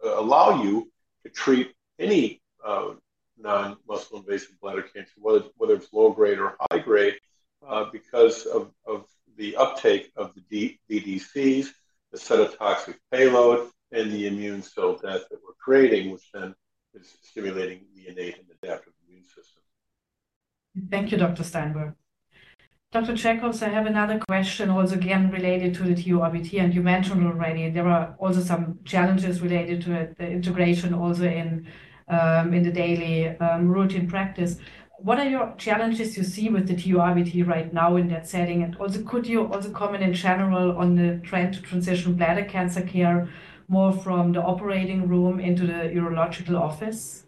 allow you to treat any non-muscle invasive bladder cancer, whether it's low-grade or high-grade, because of the uptake of the VDCs, the cytotoxic payload, and the immune cell death that we're creating, which then is stimulating the innate and adaptive immune system. Thank you, Dr. Steinberg. Dr. Jacob, I have another question, also again related to the TURBT, and you mentioned already there are also some challenges related to it, the integration also in, in the daily, routine practice. What are your challenges you see with the TURBT right now in that setting? And also, could you also comment in general on the trend to transition bladder cancer care more from the operating room into the urological office?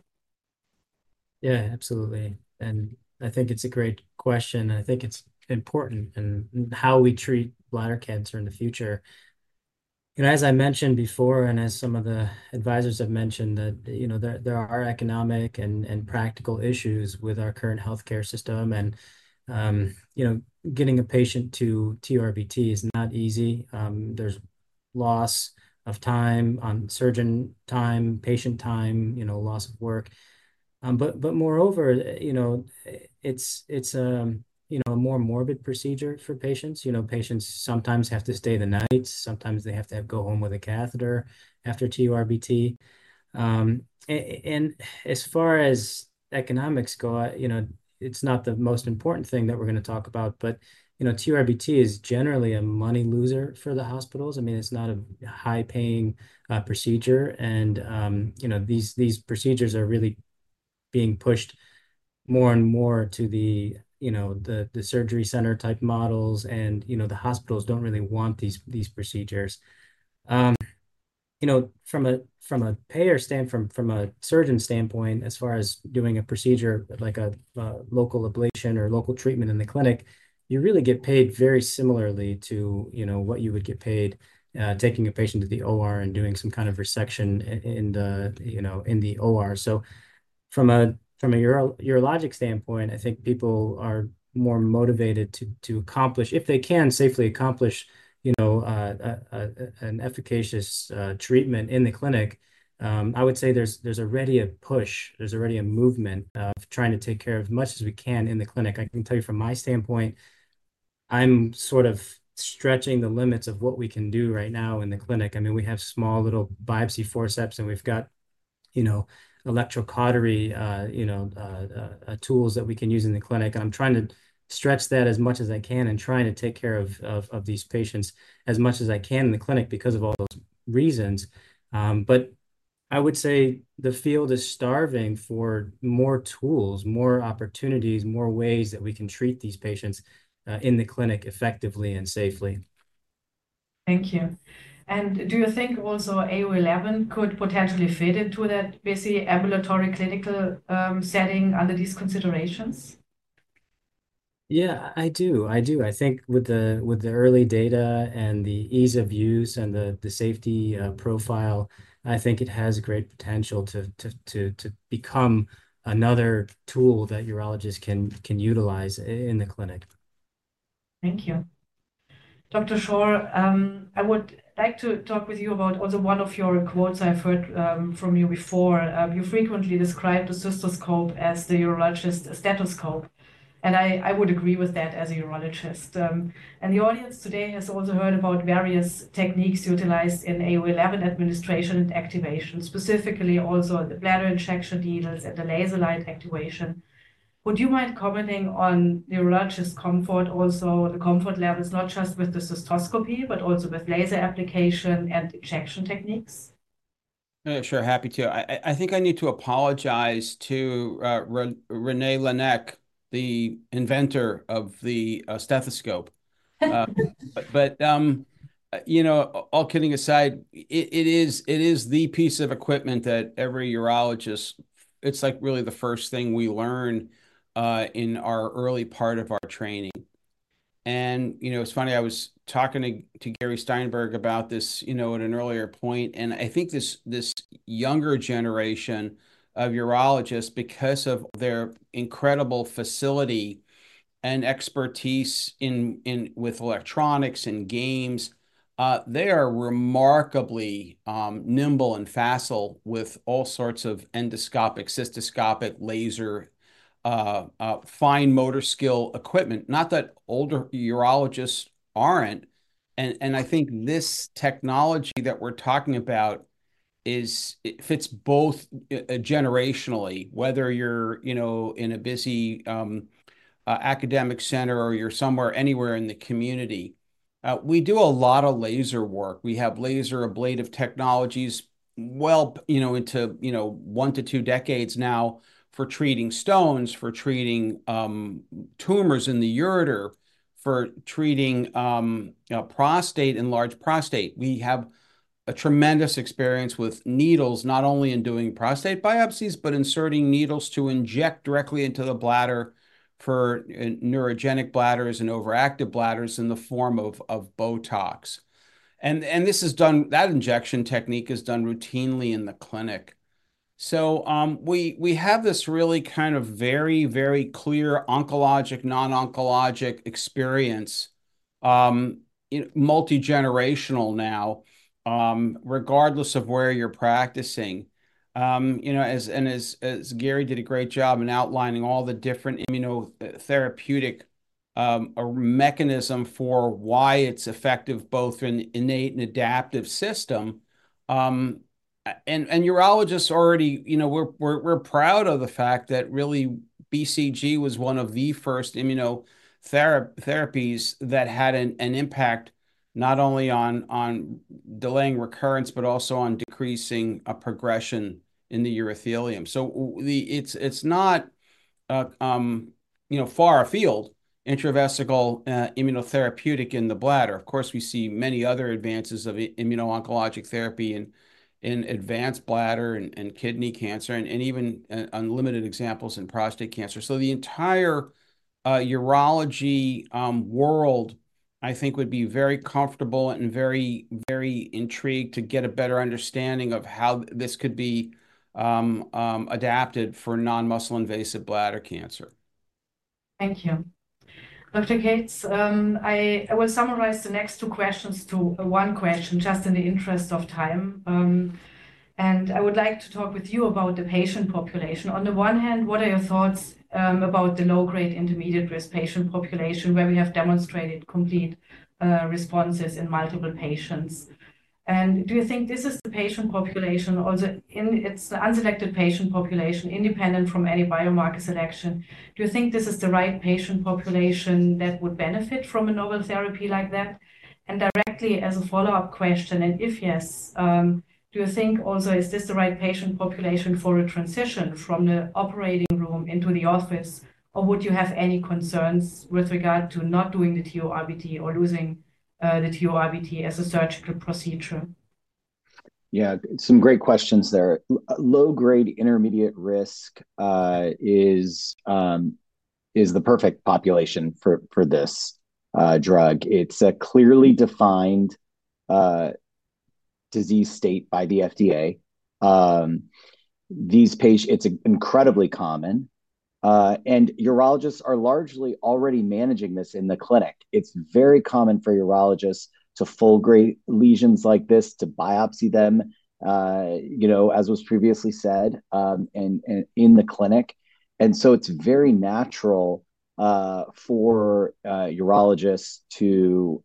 Yeah, absolutely, and I think it's a great question, and I think it's important in how we treat bladder cancer in the future. You know, as I mentioned before, and as some of the advisors have mentioned, that, you know, there are economic and practical issues with our current healthcare system, and, you know, getting a patient to TURBT is not easy. There's loss of time on surgeon time, patient time, you know, loss of work. But moreover, you know, it's a more morbid procedure for patients. You know, patients sometimes have to stay the night, sometimes they have to go home with a catheter after TURBT. As far as economics go, you know, it's not the most important thing that we're gonna talk about, but, you know, TURBT is generally a money loser for the hospitals. I mean, it's not a high-paying procedure and, you know, these procedures are really being pushed more and more to the, you know, the surgery center-type models, and, you know, the hospitals don't really want these procedures. You know, from a surgeon standpoint, as far as doing a procedure, like a local ablation or local treatment in the clinic, you really get paid very similarly to, you know, what you would get paid, taking a patient to the OR and doing some kind of resection in the, you know, in the OR. From a urologic standpoint, I think people are more motivated to accomplish, if they can safely accomplish, you know, an efficacious treatment in the clinic. I would say there's already a push. There's already a movement of trying to take care of as much as we can in the clinic. I can tell you from my standpoint, I'm sort of stretching the limits of what we can do right now in the clinic. I mean, we have small, little biopsy forceps, and we've got, you know, electrocautery tools that we can use in the clinic. I'm trying to stretch that as much as I can and trying to take care of these patients as much as I can in the clinic because of all those reasons. But I would say the field is starving for more tools, more opportunities, more ways that we can treat these patients, in the clinic effectively and safely. Thank you. And do you think also AU-011 could potentially fit into that busy ambulatory clinical setting under these considerations? Yeah, I do. I do. I think with the early data and the ease of use and the safety profile, I think it has great potential to become another tool that urologists can utilize in the clinic. Thank you. Dr. Shore, I would like to talk with you about also one of your quotes I've heard, from you before. You frequently describe the cystoscope as the urologist's stethoscope, and I, I would agree with that as a urologist, and the audience today has also heard about various techniques utilized in AU-011 administration and activation, specifically also the bladder injection needles and the laser light activation. Would you mind commenting on the urologist comfort, also the comfort levels, not just with the cystoscopy, but also with laser application and injection techniques? Sure, happy to. I think I need to apologize to René Laennec, the inventor of the stethoscope. You know, all kidding aside, it is the piece of equipment that every urologist. It's like really the first thing we learn in our early part of our training. You know, it's funny, I was talking to Gary Steinberg about this, you know, at an earlier point, and I think this younger generation of urologists, because of their incredible facility and expertise in with electronics and games, they are remarkably nimble and facile with all sorts of endoscopic, cystoscopic, laser, fine motor skill equipment. Not that older urologists aren't, and I think this technology that we're talking about is it fits both, generationally, whether you're, you know, in a busy academic center or you're somewhere, anywhere in the community. We do a lot of laser work. We have laser ablative technologies well, you know, into, you know, one to two decades now for treating stones, for treating tumors in the ureter, for treating, you know, prostate, enlarged prostate. We have a tremendous experience with needles, not only in doing prostate biopsies, but inserting needles to inject directly into the bladder for neurogenic bladders and overactive bladders in the form of Botox. And this is done that injection technique is done routinely in the clinic. So, we have this really kind of very, very clear oncologic, non-oncologic experience you know, multigenerational now, regardless of where you're practicing. You know, as Gary did a great job in outlining all the different immunotherapeutic mechanism for why it's effective, both in the innate and adaptive system. And urologists already, you know, we're proud of the fact that really BCG was one of the first immunotherapies that had an impact, not only on delaying recurrence, but also on decreasing progression in the urothelium. So the, it's not, you know, far afield, intravesical immunotherapeutic in the bladder. Of course, we see many other advances of immuno-oncologic therapy in advanced bladder and kidney cancer, and even unlimited examples in prostate cancer. So the entire urology world, I think would be very comfortable and very, very intrigued to get a better understanding of how this could be adapted for non-muscle invasive bladder cancer. Thank you. Dr. Kates, I will summarize the next two questions to one question, just in the interest of time, and I would like to talk with you about the patient population. On the one hand, what are your thoughts about the low-grade intermediate-risk patient population, where we have demonstrated complete responses in multiple patients? And do you think this is the patient population or the unselected patient population, independent from any biomarker selection? Do you think this is the right patient population that would benefit from a novel therapy like that? Directly, as a follow-up question, and if yes, do you think also, is this the right patient population for a transition from the operating room into the office, or would you have any concerns with regard to not doing the TURBT or losing the TURBT as a surgical procedure? Yeah, some great questions there. Low-grade intermediate risk is the perfect population for this drug. It's a clearly defined disease state by the FDA. These patients, it's incredibly common, and urologists are largely already managing this in the clinic. It's very common for urologists to fulgurate lesions like this, to biopsy them, you know, as was previously said, and in the clinic, and so it's very natural for urologists to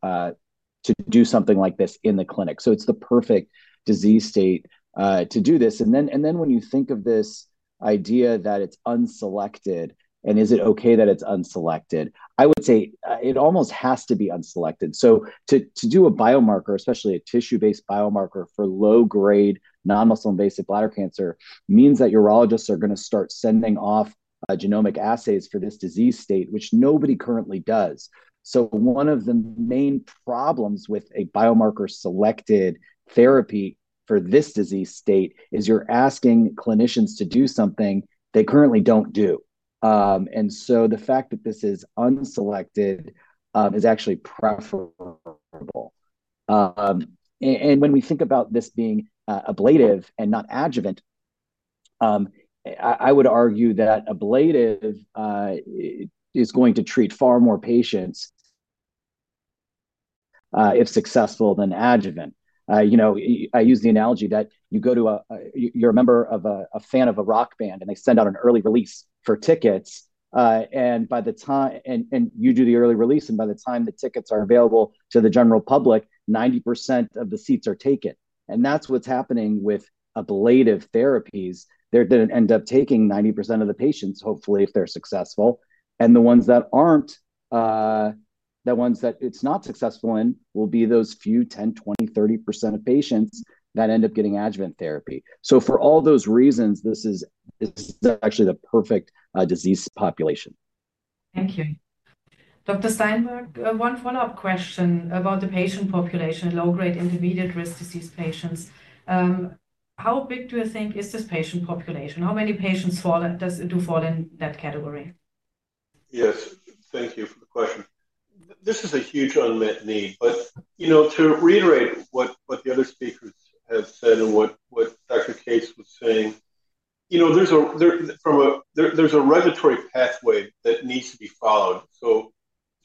do something like this in the clinic, so it's the perfect disease state to do this, and then when you think of this idea that it's unselected, and is it okay that it's unselected? I would say it almost has to be unselected. So to do a biomarker, especially a tissue-based biomarker for low-grade non-muscle invasive bladder cancer, means that urologists are gonna start sending off genomic assays for this disease state, which nobody currently does. So one of the main problems with a biomarker-selected therapy for this disease state is you're asking clinicians to do something they currently don't do. And so the fact that this is unselected is actually preferable. And when we think about this being ablative and not adjuvant, I would argue that ablative is going to treat far more patients, if successful, than adjuvant. You know, I use the analogy that you go to a, a you're a member of a fan of a rock band, and they send out an early release for tickets, and by the time you do the early release, and by the time the tickets are available to the general public, 90% of the seats are taken. That's what's happening with ablative therapies. They're gonna end up taking 90% of the patients, hopefully, if they're successful. The ones that aren't, the ones that it's not successful in, will be those few 10-30% of patients that end up getting adjuvant therapy. For all those reasons, this is actually the perfect disease population. Thank you. Dr. Steinberg, one follow-up question about the patient population, low-grade intermediate-risk disease patients. How big do you think is this patient population? How many patients fall in that category? Yes. Thank you for the question. This is a huge unmet need, but, you know, to reiterate what the other speakers have said and what Dr. Kates was saying, you know, there's a regulatory pathway that needs to be followed. So,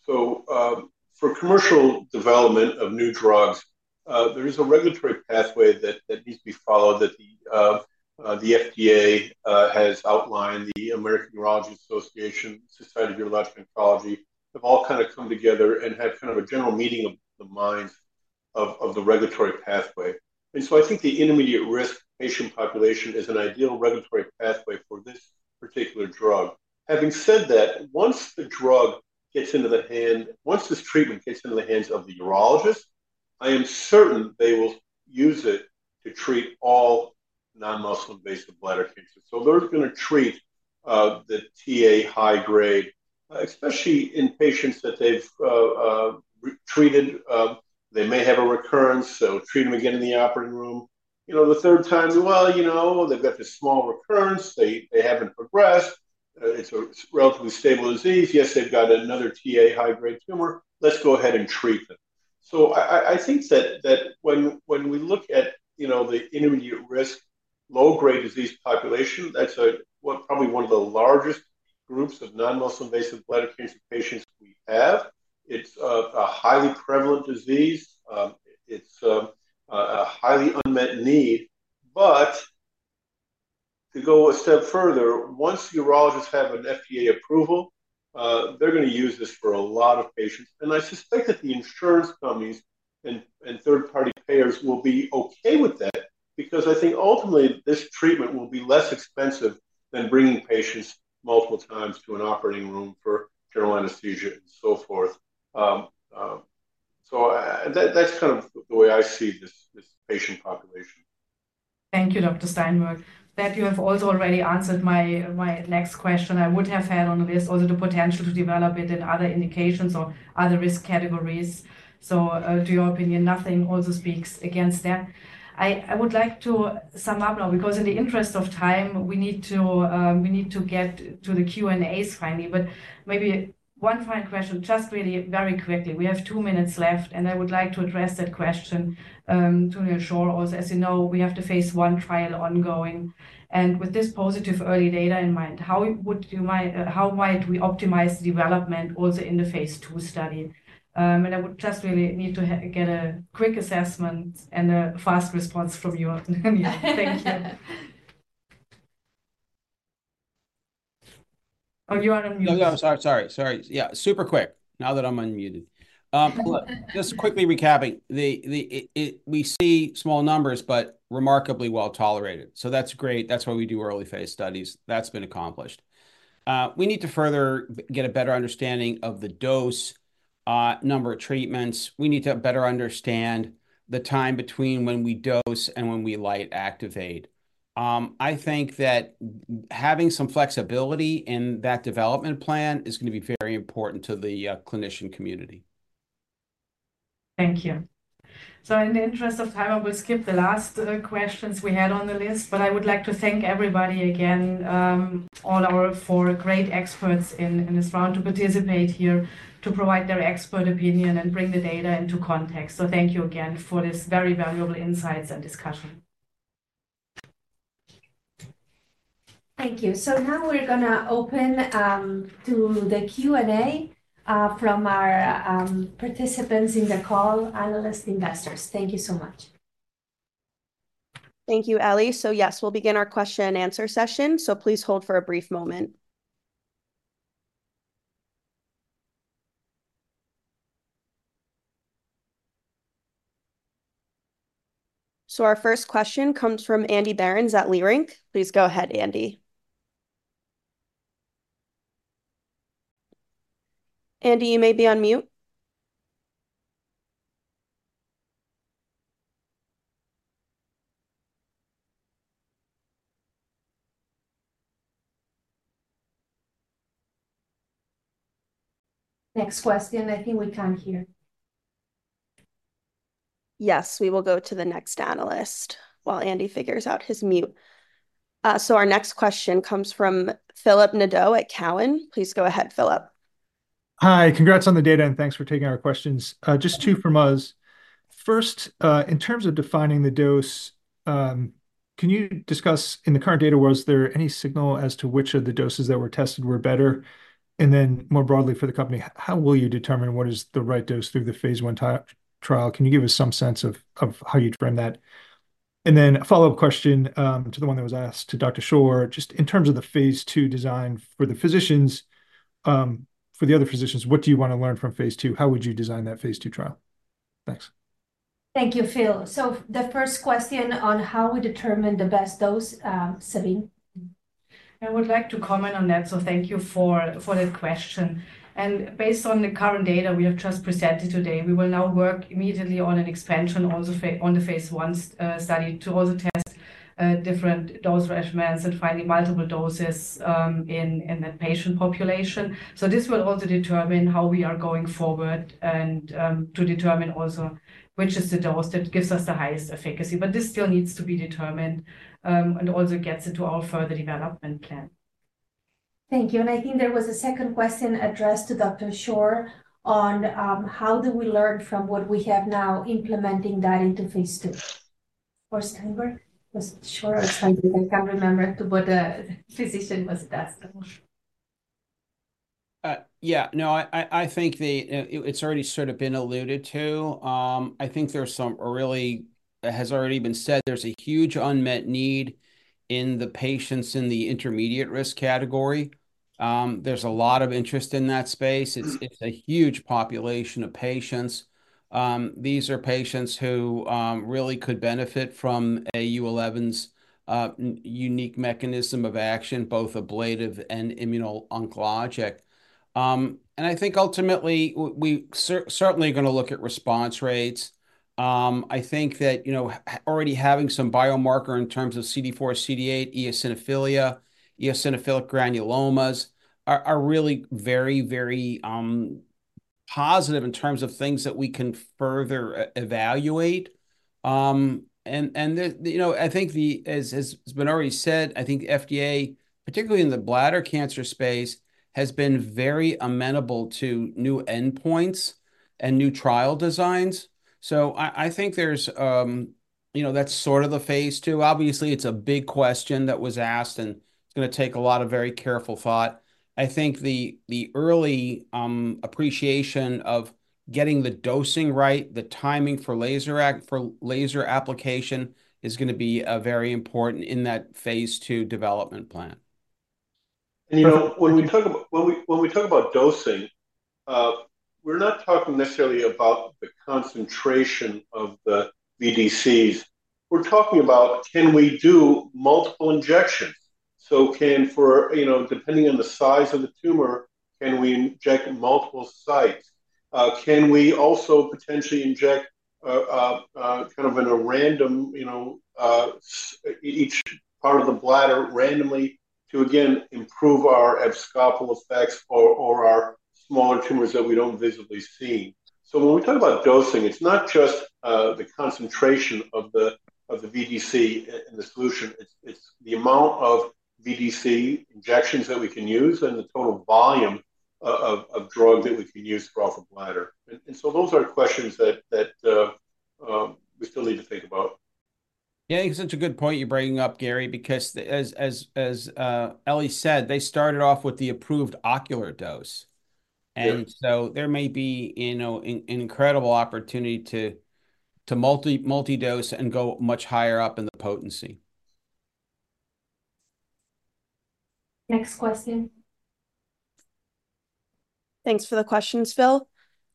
for commercial development of new drugs, there is a regulatory pathway that needs to be followed, that the FDA has outlined, the American Urological Association, Society of Urologic Oncology, have all kinda come together and had kind of a general meeting of the minds of the regulatory pathway. And so I think the intermediate-risk patient population is an ideal regulatory pathway for this particular drug. Having said that, once this treatment gets into the hands of the urologist, I am certain they will use it to treat all non-muscle invasive bladder cancers. So they're gonna treat the Ta high grade, especially in patients that they've treated, they may have a recurrence, so treat them again in the operating room. You know, the third time, well, you know, they've got this small recurrence. They haven't progressed. It's a relatively stable disease. Yes, they've got another Ta high-grade tumor. Let's go ahead and treat them. So I think that when we look at, you know, the intermediate risk, low-grade disease population, that's one, probably one of the largest groups of non-muscle invasive bladder cancer patients we have. It's a highly prevalent disease. It's a highly unmet need, but to go a step further, once urologists have an FDA approval, they're gonna use this for a lot of patients. And I suspect that the insurance companies and third-party payers will be okay with that, because I think ultimately this treatment will be less expensive than bringing patients multiple times to an operating room for general anesthesia and so forth. So that's kind of the way I see this patient population. Thank you, Dr. Steinberg. That you have also already answered my next question I would have had on the list, also the potential to develop it in other indications or other risk categories. So, to your opinion, nothing also speaks against that. I would like to sum up now, because in the interest of time, we need to get to the Q&A finally, but maybe one final question, just really very quickly. We have two minutes left, and I would like to address that question to Dr. Shore. Also, as you know, we have the phase I trial ongoing, and with this positive early data in mind, how might we optimize development also in the phase II study? And I would just really need to get a quick assessment and a fast response from you, thank you. Oh, you are on mute. No, no, I'm sorry, sorry, sorry. Yeah, super quick, now that I'm unmuted. Just quickly recapping, we see small numbers, but remarkably well-tolerated. So that's great, that's why we do early-phase studies. That's been accomplished. We need to further get a better understanding of the dose, number of treatments. We need to better understand the time between when we dose and when we light activate. I think that having some flexibility in that development plan is gonna be very important to the clinician community. Thank you. So in the interest of time, I will skip the last questions we had on the list, but I would like to thank everybody again, all our four great experts in this round, to participate here, to provide their expert opinion and bring the data into context. So thank you again for this very valuable insights and discussion. Thank you. So now we're gonna open to the Q&A from our participants in the call, analysts, investors. Thank you so much. Thank you, Ellie. Yes, we'll begin our question and answer session, so please hold for a brief moment. Our first question comes from Andy Berens at Leerink. Please go ahead, Andy. Andy, you may be on mute. Next question, I think we can't hear. Yes, we will go to the next analyst while Andy figures out his mute. So our next question comes from Phil Nadeau at Cowen. Please go ahead, Phil. Hi, congrats on the data, and thanks for taking our questions. Just two from us. First, in terms of defining the dose, can you discuss, in the current data, was there any signal as to which of the doses that were tested were better? And then, more broadly for the company, how will you determine what is the right dose through the phase I trial? Can you give us some sense of how you'd frame that? And then a follow-up question, to the one that was asked to Dr. Shore, just in terms of the phase II design for the physicians, for the other physicians, what do you want to learn from phase II? How would you design that phase II trial? Thanks. Thank you, Phil. So the first question on how we determine the best dose, Sabine? I would like to comment on that, so thank you for that question. And based on the current data we have just presented today, we will now work immediately on an expansion on the phase I study to also test different dose regimens and finding multiple doses in the patient population. So this will also determine how we are going forward and to determine also which is the dose that gives us the highest efficacy. But this still needs to be determined and also gets into our further development plan. Thank you. And I think there was a second question addressed to Dr. Shore on, how do we learn from what we have now implementing that into phase II? Or Steinberg? Was it Shore or Steinberg? I can't remember to what, physician was asked. Yeah. No, I think it's already sort of been alluded to. It has already been said, there's a huge unmet need in the patients in the intermediate risk category. There's a lot of interest in that space. It's a huge population of patients. These are patients who really could benefit from AU-011's unique mechanism of action, both ablative and immuno-oncologic. And I think ultimately, we certainly are gonna look at response rates. I think that, you know, already having some biomarker in terms of CD4, CD8, eosinophilia, eosinophilic granulomas are really very positive in terms of things that we can further evaluate. And the, you know, I think the, as has been already said, I think FDA, particularly in the bladder cancer space, has been very amenable to new endpoints and new trial designs. So I think there's, you know, that's sort of the phase II. Obviously, it's a big question that was asked, and it's gonna take a lot of very careful thought. I think the early appreciation of getting the dosing right, the timing for laser application, is gonna be very important in that phase II development plan. You know, when we talk about dosing, we're not talking necessarily about the concentration of the VDCs. We're talking about, can we do multiple injections? So, you know, depending on the size of the tumor, can we inject multiple sites? Can we also potentially inject kind of in a random, you know, each part of the bladder randomly to, again, improve our abscopal effects or our smaller tumors that we don't visibly see? So when we talk about dosing, it's not just the concentration of the VDC in the solution. It's the amount of VDC injections that we can use and the total volume of drug that we can use throughout the bladder. And so those are questions that we still need to think about. Yeah, it's such a good point you're bringing up, Gary, because as Ellie said, they started off with the approved ocular dose. Yeah. And so there may be, you know, an incredible opportunity to multidose and go much higher up in the potency. Next question. Thanks for the questions, Phil.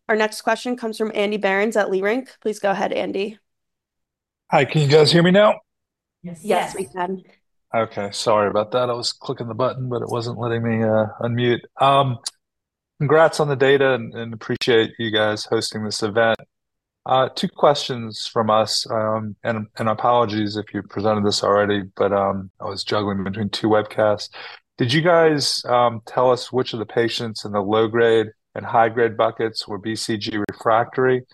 Our next question comes from Andy Berens at Leerink. Please go ahead, Andy. Hi. Can you guys hear me now? Yes. Yes, we can. Okay, sorry about that. I was clicking the button, but it wasn't letting me unmute. Congrats on the data, and appreciate you guys hosting this event. Two questions from us, and apologies if you presented this already, but I was juggling between two webcasts. Did you guys tell us which of the patients in the low-grade and high-grade buckets were BCG refractory?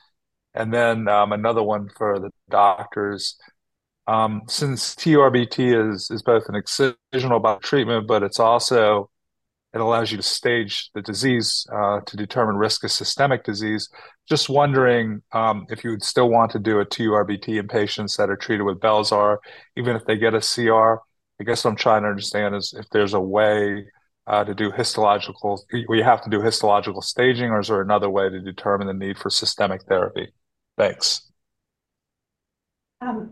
And then another one for the doctors. Since TURBT is both an excisional biopsy treatment, but it's also it allows you to stage the disease to determine risk of systemic disease. Just wondering if you would still want to do a TURBT in patients that are treated with bel-sar, even if they get a CR? I guess what I'm trying to understand is if there's a way to do histological. We have to do histological staging, or is there another way to determine the need for systemic therapy? Thanks.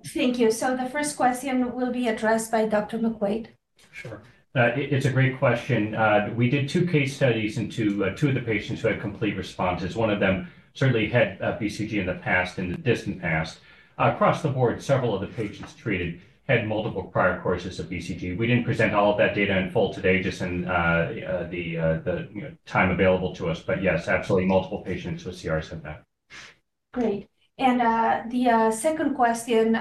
Thank you. So the first question will be addressed by Dr. McQuaid. Sure. It's a great question. We did two case studies into two of the patients who had complete responses. One of them certainly had BCG in the past, in the distant past. Across the board, several of the patients treated had multiple prior courses of BCG. We didn't present all of that data in full today, just in the, you know, time available to us, but yes, absolutely, multiple patients with CRs had that. Great. And, the second question,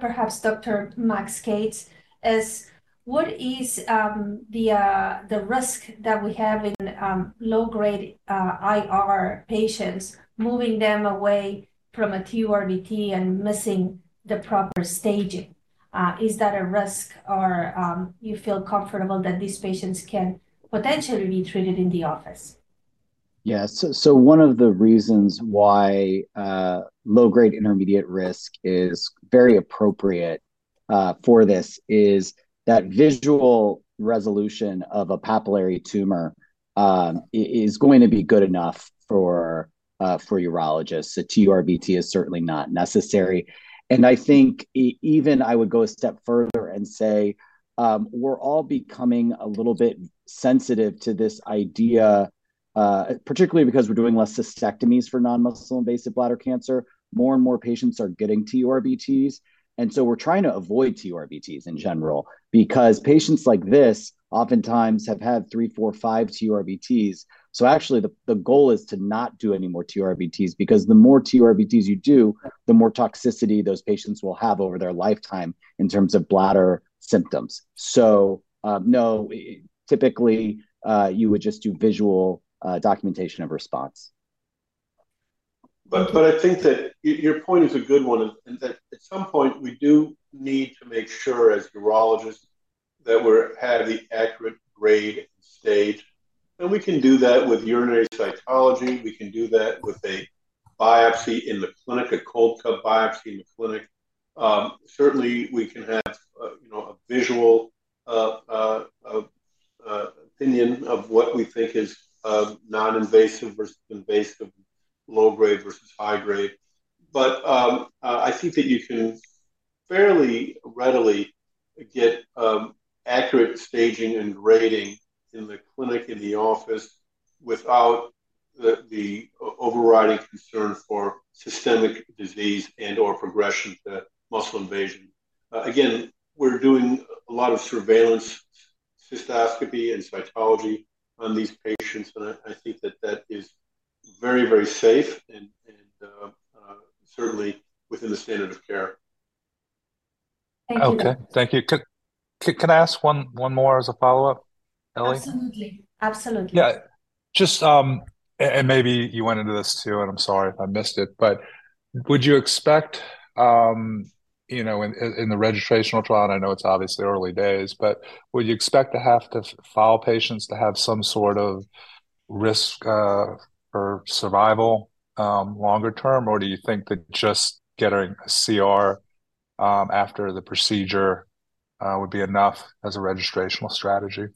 perhaps Dr. Max Kates, is what is, the risk that we have in, low-grade, IR patients, moving them away from a TURBT and missing the proper staging? Is that a risk, or, you feel comfortable that these patients can potentially be treated in the office? Yeah. So one of the reasons why low-grade intermediate risk is very appropriate for this is that visual resolution of a papillary tumor is going to be good enough for urologists. A TURBT is certainly not necessary. And I think even I would go a step further and say we're all becoming a little bit sensitive to this idea particularly because we're doing less cystectomies for non-muscle invasive bladder cancer. More and more patients are getting TURBTs, and so we're trying to avoid TURBTs in general because patients like this oftentimes have had three, four, five TURBTs. So actually, the goal is to not do any more TURBTs, because the more TURBTs you do, the more toxicity those patients will have over their lifetime in terms of bladder symptoms. No, typically, you would just do visual documentation of response. I think that your point is a good one, and that at some point, we do need to make sure, as urologists, that we have the accurate grade stage, and we can do that with urinary cytology. We can do that with a biopsy in the clinic, a cold cup biopsy in the clinic. Certainly, we can have, you know, a visual opinion of what we think is non-invasive versus invasive, low grade versus high grade, but I think that you can fairly readily get accurate staging and grading in the clinic, in the office, without the overriding concern for systemic disease and/or progression to muscle invasion. Again, we're doing a lot of surveillance cystoscopy and cytology on these patients, and I think that is very, very safe and certainly within the standard of care. Okay, thank you. Can I ask one more as a follow-up, Ellie? Absolutely. Absolutely. Yeah, just, and maybe you went into this, too, and I'm sorry if I missed it, but would you expect, you know, in the registrational trial, and I know it's obviously early days, but would you expect to have to follow patients to have some sort of risk for survival longer term? Or do you think that just getting a CR after the procedure would be enough as a registrational strategy?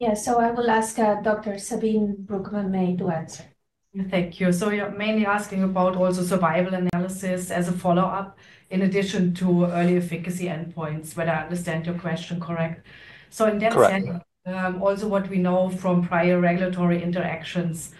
Yeah. So I will ask, Dr. Sabine Brookman-May, to answer. Thank you. So you're mainly asking about also survival analysis as a follow-up, in addition to early efficacy endpoints, but I understand your question correct. Correct. So in that setting, also what we know from prior regulatory interactions,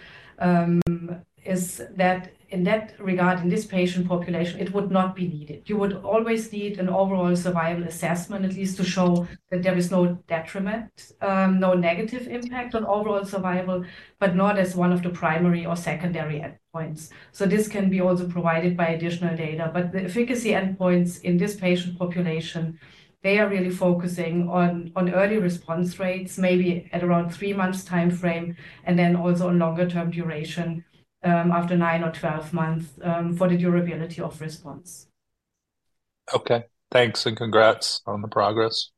is that in that regard, in this patient population, it would not be needed. You would always need an overall survival assessment, at least to show that there is no detriment, no negative impact on overall survival, but not as one of the primary or secondary endpoints. So this can be also provided by additional data, but the efficacy endpoints in this patient population, they are really focusing on early response rates, maybe at around three months timeframe, and then also on longer term duration, after nine or twelve months, for the durability of response. Okay, thanks, and congrats on the progress.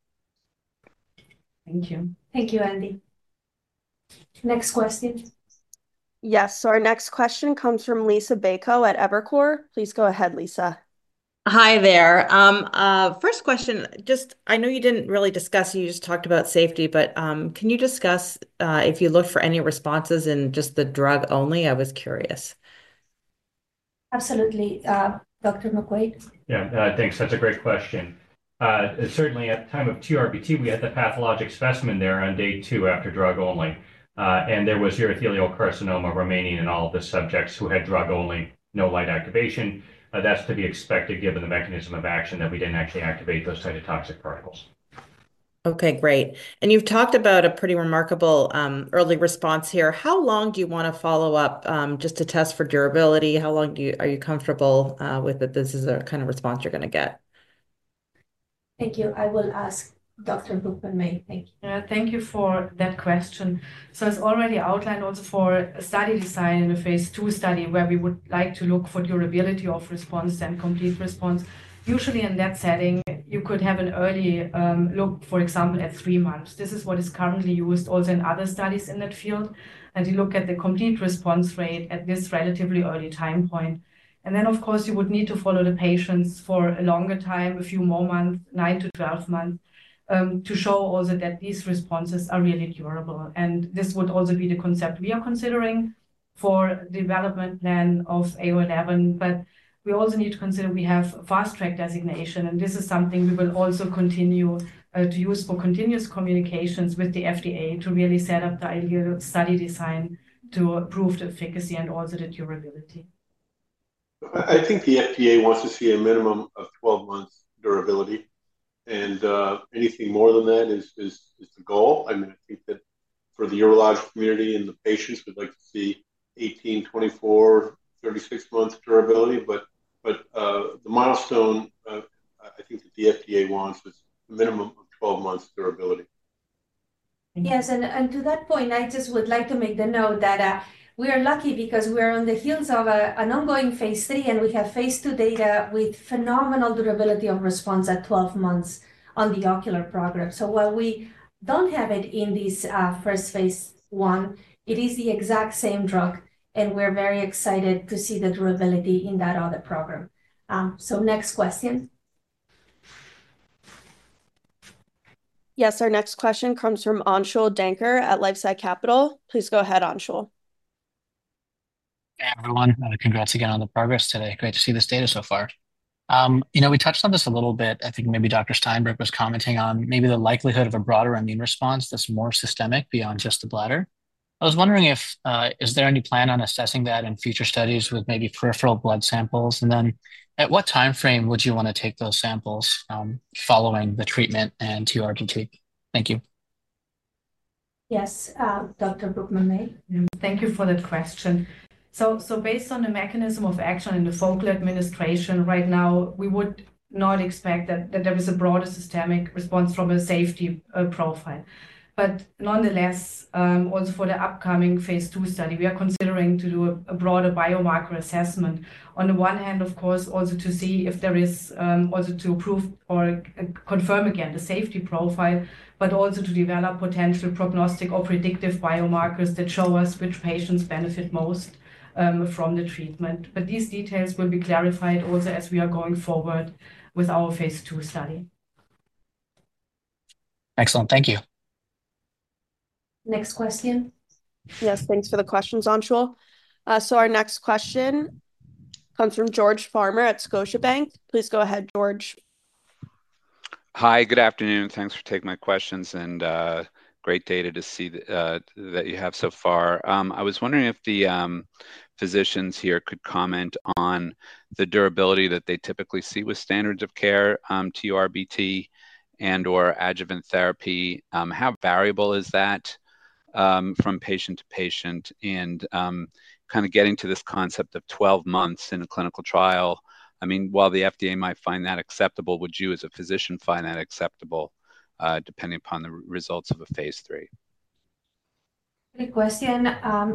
Thank you. Thank you, Andy. Next question. Yes, so our next question comes from Liisa Bayko at Evercore. Please go ahead, Lisa. Hi there. First question, just I know you didn't really discuss, you just talked about safety, but, can you discuss, if you looked for any responses in just the drug only? I was curious. Absolutely. Dr. McQuaid? Yeah. Thanks. That's a great question. Certainly at the time of TURBT, we had the pathologic specimen there on Day 2 after drug only. And there was urothelial carcinoma remaining in all of the subjects who had drug only, no light activation. That's to be expected, given the mechanism of action, that we didn't actually activate those cytotoxic particles. Okay, great. You've talked about a pretty remarkable early response here. How long do you want to follow up, just to test for durability? Are you comfortable with that this is the kind of response you're gonna get? Thank you. I will ask Dr. Brookman-May. Thank you. Yeah, thank you for that question. So as already outlined, also for a study design in a phase II study, where we would like to look for durability of response and complete response, usually in that setting, you could have an early, look, for example, at three months. This is what is currently used also in other studies in that field. And you look at the complete response rate at this relatively early time point. And then, of course, you would need to follow the patients for a longer time, a few more months, nine to twelve months, to show also that these responses are really durable. And this would also be the concept we are considering for development plan of AU-011. But we also need to consider we have fast track designation, and this is something we will also continue to use for continuous communications with the FDA to really set up the ideal study design to prove the efficacy and also the durability. I think the FDA wants to see a minimum of 12 months durability, and anything more than that is the goal. I mean, I think that for the urologic community and the patients, we'd like to see 18, 24, 36 months durability. But the milestone, I think that the FDA wants is a minimum of 12 months durability. Yes, and to that point, I just would like to make the note that we are lucky because we are on the heels of an ongoing phase III, and we have phase II data with phenomenal durability of response at 12 months on the ocular program. While we don't have it in this first phase I, it is the exact same drug, and we're very excited to see the durability in that other program. Next question. Yes, our next question comes from Anshul Dhankher at LifeSci Capital. Please go ahead, Anshul. Hey, everyone. Congrats again on the progress today. Great to see this data so far. You know, we touched on this a little bit. I think maybe Dr. Steinberg was commenting on maybe the likelihood of a broader immune response that's more systemic beyond just the bladder. I was wondering if is there any plan on assessing that in future studies with maybe peripheral blood samples? And then at what timeframe would you want to take those samples following the treatment and TURBT? Thank you. Yes, Dr. Brookman-May. Thank you for that question. So based on the mechanism of action in the focal administration right now, we would not expect that there is a broader systemic response from a safety profile. But nonetheless, also for the upcoming phase II study, we are considering to do a broader biomarker assessment. On the one hand, of course, also to see if there is also to prove or confirm again the safety profile, but also to develop potential prognostic or predictive biomarkers that show us which patients benefit most from the treatment. But these details will be clarified also as we are going forward with our phase II study. Excellent. Thank you. Next question. Yes, thanks for the questions, Anshul. So our next question comes from George Farmer at Scotiabank. Please go ahead, George. Hi, good afternoon, and thanks for taking my questions, and, great data to see, that you have so far. I was wondering if the physicians here could comment on the durability that they typically see with standards of care, TURBT and/or adjuvant therapy. How variable is that, from patient to patient? And, kind of getting to this concept of 12 months in a clinical trial, I mean, while the FDA might find that acceptable, would you, as a physician, find that acceptable, depending upon the results of a phase III? Good question.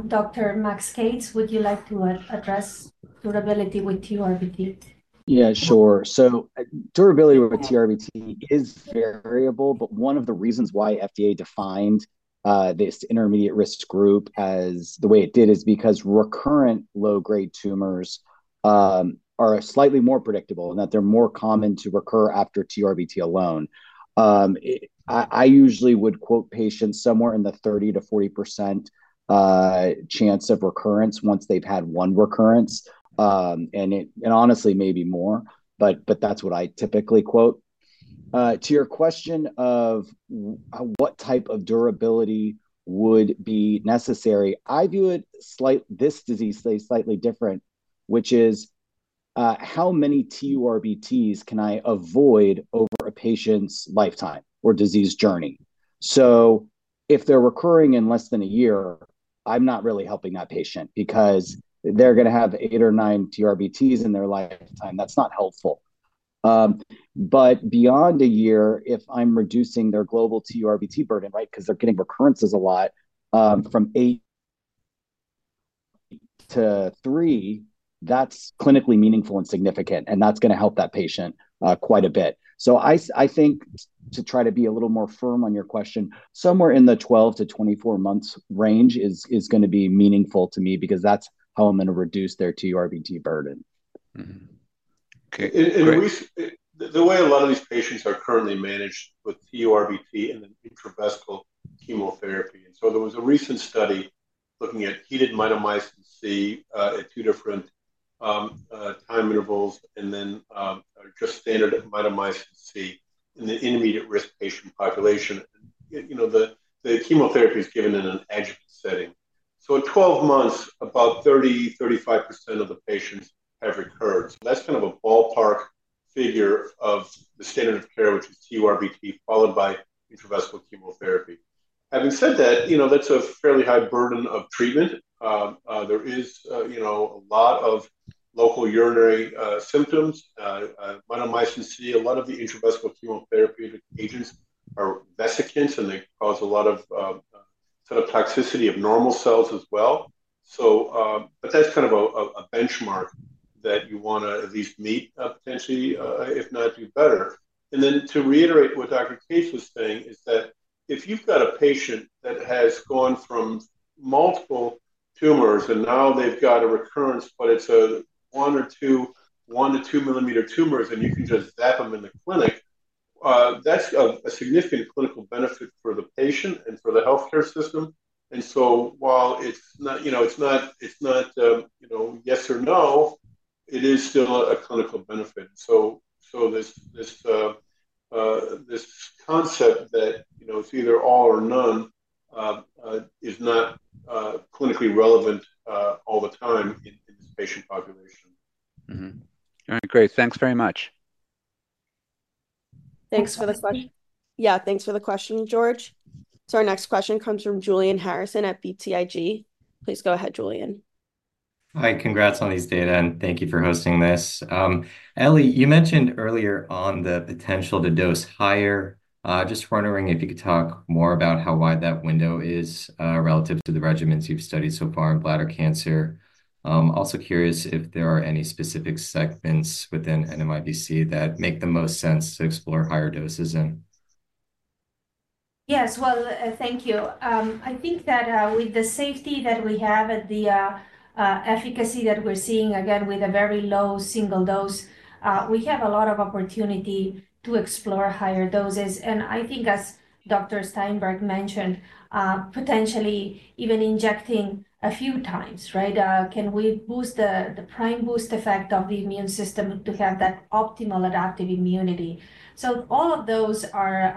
Dr. Max Kates, would you like to address durability with TURBT? Yeah, sure. So, durability with TURBT is variable, but one of the reasons why FDA defined this intermediate risk group as the way it did, is because recurrent low-grade tumors are slightly more predictable, and that they're more common to recur after TURBT alone. I usually would quote patients somewhere in the 30%-40% chance of recurrence once they've had one recurrence. And honestly, maybe more, but that's what I typically quote. To your question of what type of durability would be necessary? I view this disease slightly different, which is, how many TURBTs can I avoid over a patient's lifetime or disease journey? So if they're recurring in less than a year, I'm not really helping that patient because they're gonna have eight or nine TURBTs in their lifetime. That's not helpful. But beyond a year, if I'm reducing their global TURBT burden, right? 'Cause they're getting recurrences a lot, from eight to three, that's clinically meaningful and significant, and that's gonna help that patient quite a bit. So I think to try to be a little more firm on your question, somewhere in the 12-24 months range is gonna be meaningful to me because that's how I'm gonna reduce their TURBT burden. Mm-hmm. Okay The way a lot of these patients are currently managed with TURBT and then intravesical chemotherapy. There was a recent study looking at heated mitomycin C at two different time intervals, and then just standard mitomycin C in the intermediate-risk patient population. You know, the chemotherapy is given in an adjuvant setting. At twelve months, about 35% of the patients have recurred. That's kind of a ballpark figure of the standard of care, which is TURBT, followed by intravesical chemotherapy. Having said that, you know, that's a fairly high burden of treatment. There is you know, a lot of local urinary symptoms. Mitomycin C, a lot of the intravesical chemotherapy agents are vesicants, and they cause a lot of sort of toxicity of normal cells as well. So, but that's kind of a benchmark that you wanna at least meet, potentially, if not, do better. And then, to reiterate what Dr. Kates was saying, is that if you've got a patient that has gone from multiple tumors, and now they've got a recurrence, but it's one- to two-millimeter tumors, and you can just zap them in the clinic, that's a significant clinical benefit for the patient and for the healthcare system. And so while it's not, you know, yes or no, it is still a clinical benefit. So this concept that, you know, it's either all or none, is not clinically relevant all the time in this patient population. Mm-hmm. All right, great. Thanks very much. Thanks for this question. Yeah, thanks for the question, George. So our next question comes from Julian Harrison at BTIG. Please go ahead, Julian. Hi. Congrats on these data, and thank you for hosting this. Ellie, you mentioned earlier on the potential to dose higher. Just wondering if you could talk more about how wide that window is, relative to the regimens you've studied so far in bladder cancer. Also curious if there are any specific segments within NMIBC that make the most sense to explore higher doses in? Yes, well, thank you. I think that with the safety that we have and the efficacy that we're seeing, again, with a very low single dose, we have a lot of opportunity to explore higher doses, and I think, as Dr. Steinberg mentioned, potentially even injecting a few times, right? Can we boost the prime boost effect of the immune system to have that optimal adaptive immunity, so all of those are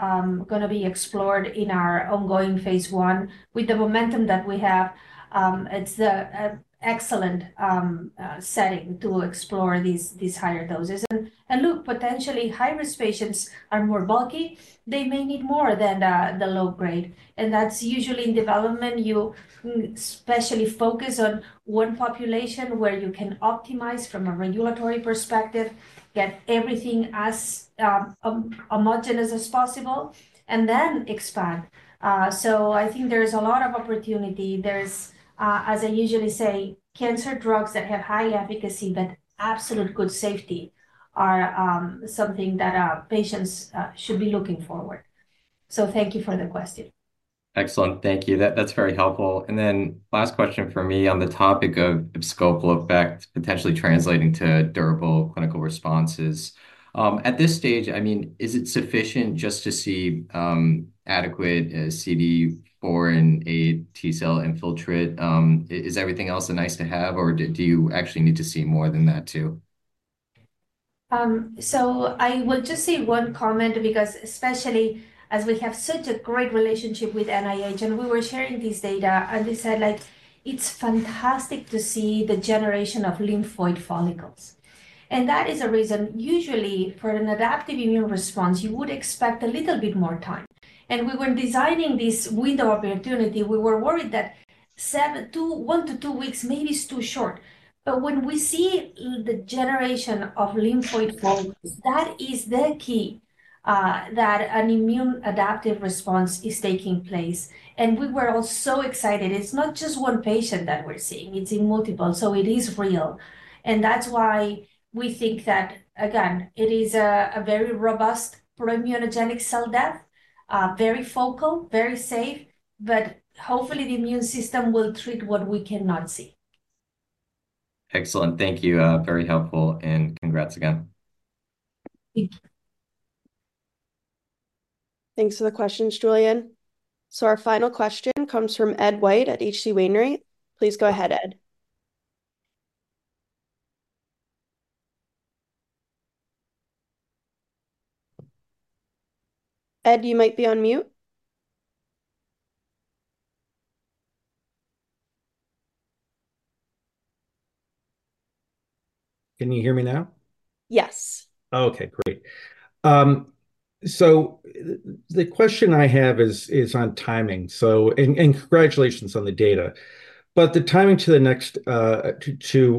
gonna be explored in our ongoing phase I? With the momentum that we have, it's an excellent setting to explore these higher doses, and look, potentially high-risk patients are more bulky. They may need more than the low grade, and that's usually in development. You especially focus on one population where you can optimize from a regulatory perspective, get everything as homogeneous as possible and then expand. So I think there's a lot of opportunity. There's, as I usually say, cancer drugs that have high efficacy but absolute good safety are something that patients should be looking forward. So thank you for the question. Excellent. Thank you. That, that's very helpful. And then last question from me on the topic of abscopal effect, potentially translating to durable clinical responses. At this stage, I mean, is it sufficient just to see adequate CD four and eight T-cell infiltrate? Is everything else a nice to have, or do you actually need to see more than that, too? So I would just say one comment, because especially as we have such a great relationship with NIH, and we were sharing this data, and they said, like, "It's fantastic to see the generation of lymphoid follicles." And that is a reason. Usually, for an adaptive immune response, you would expect a little bit more time. And we were designing this with the opportunity. We were worried that one to two weeks maybe is too short. But when we see the generation of lymphoid follicles, that is the key that an immune adaptive response is taking place. And we were all so excited. It's not just one patient that we're seeing, it's in multiple, so it is real. That's why we think that, again, it is a very robust proimmunogenic cell death, very focal, very safe, but hopefully the immune system will treat what we cannot see. Excellent. Thank you, very helpful, and congrats again. Thank you. Thanks for the questions, Julian. So our final question comes from Ed White at H.C. Wainwright. Please go ahead, Ed. Ed, you might be on mute. Can you hear me now? Yes. Okay, great. The question I have is on timing. Congratulations on the data, but the timing to the next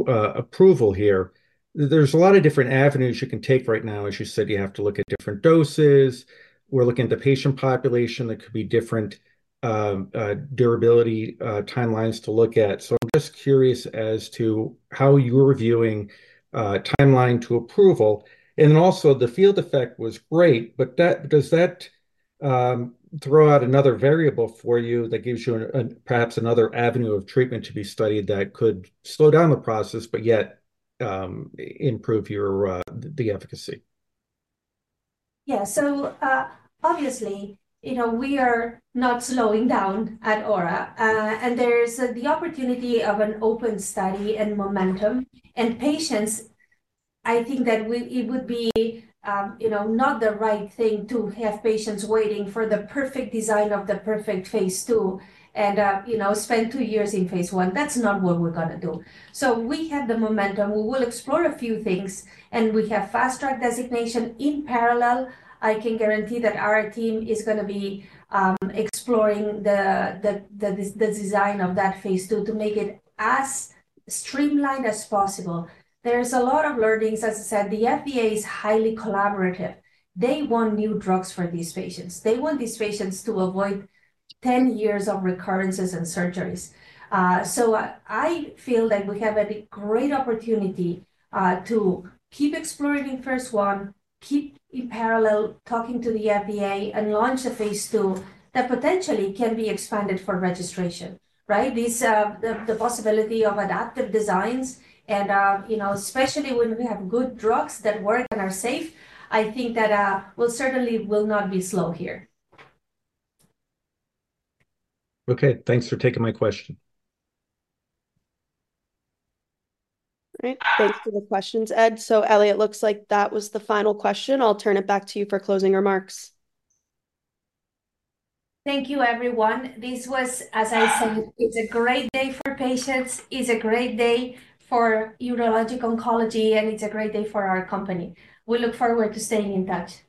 approval here. There's a lot of different avenues you can take right now. As you said, you have to look at different doses. We're looking at the patient population, there could be different durability timelines to look at. I'm just curious as to how you're viewing timeline to approval. Then also, the field effect was great, but does that throw out another variable for you that gives you an perhaps another avenue of treatment to be studied that could slow down the process, but yet improve the efficacy? Yeah. So, obviously, you know, we are not slowing down at Aura. And there's the opportunity of an open study and momentum, and patients. I think that it would be, you know, not the right thing to have patients waiting for the perfect design of the perfect phase two, and, you know, spend two years in phase one. That's not what we're gonna do. So we have the momentum. We will explore a few things, and we have fast track designation in parallel. I can guarantee that our team is gonna be exploring the design of that phase two to make it as streamlined as possible. There's a lot of learnings. As I said, the FDA is highly collaborative. They want new drugs for these patients. They want these patients to avoid ten years of recurrences and surgeries. So I feel like we have a great opportunity to keep exploring in phase one, keep in parallel talking to the FDA, and launch a phase two that potentially can be expanded for registration, right? This, the possibility of adaptive designs and, you know, especially when we have good drugs that work and are safe, I think that we'll certainly not be slow here. Okay, thanks for taking my question. Great. Thanks for the questions, Ed. So, Ellie, it looks like that was the final question. I'll turn it back to you for closing remarks. Thank you, everyone. This was, as I said, it's a great day for patients, it's a great day for urologic oncology, and it's a great day for our company. We look forward to staying in touch.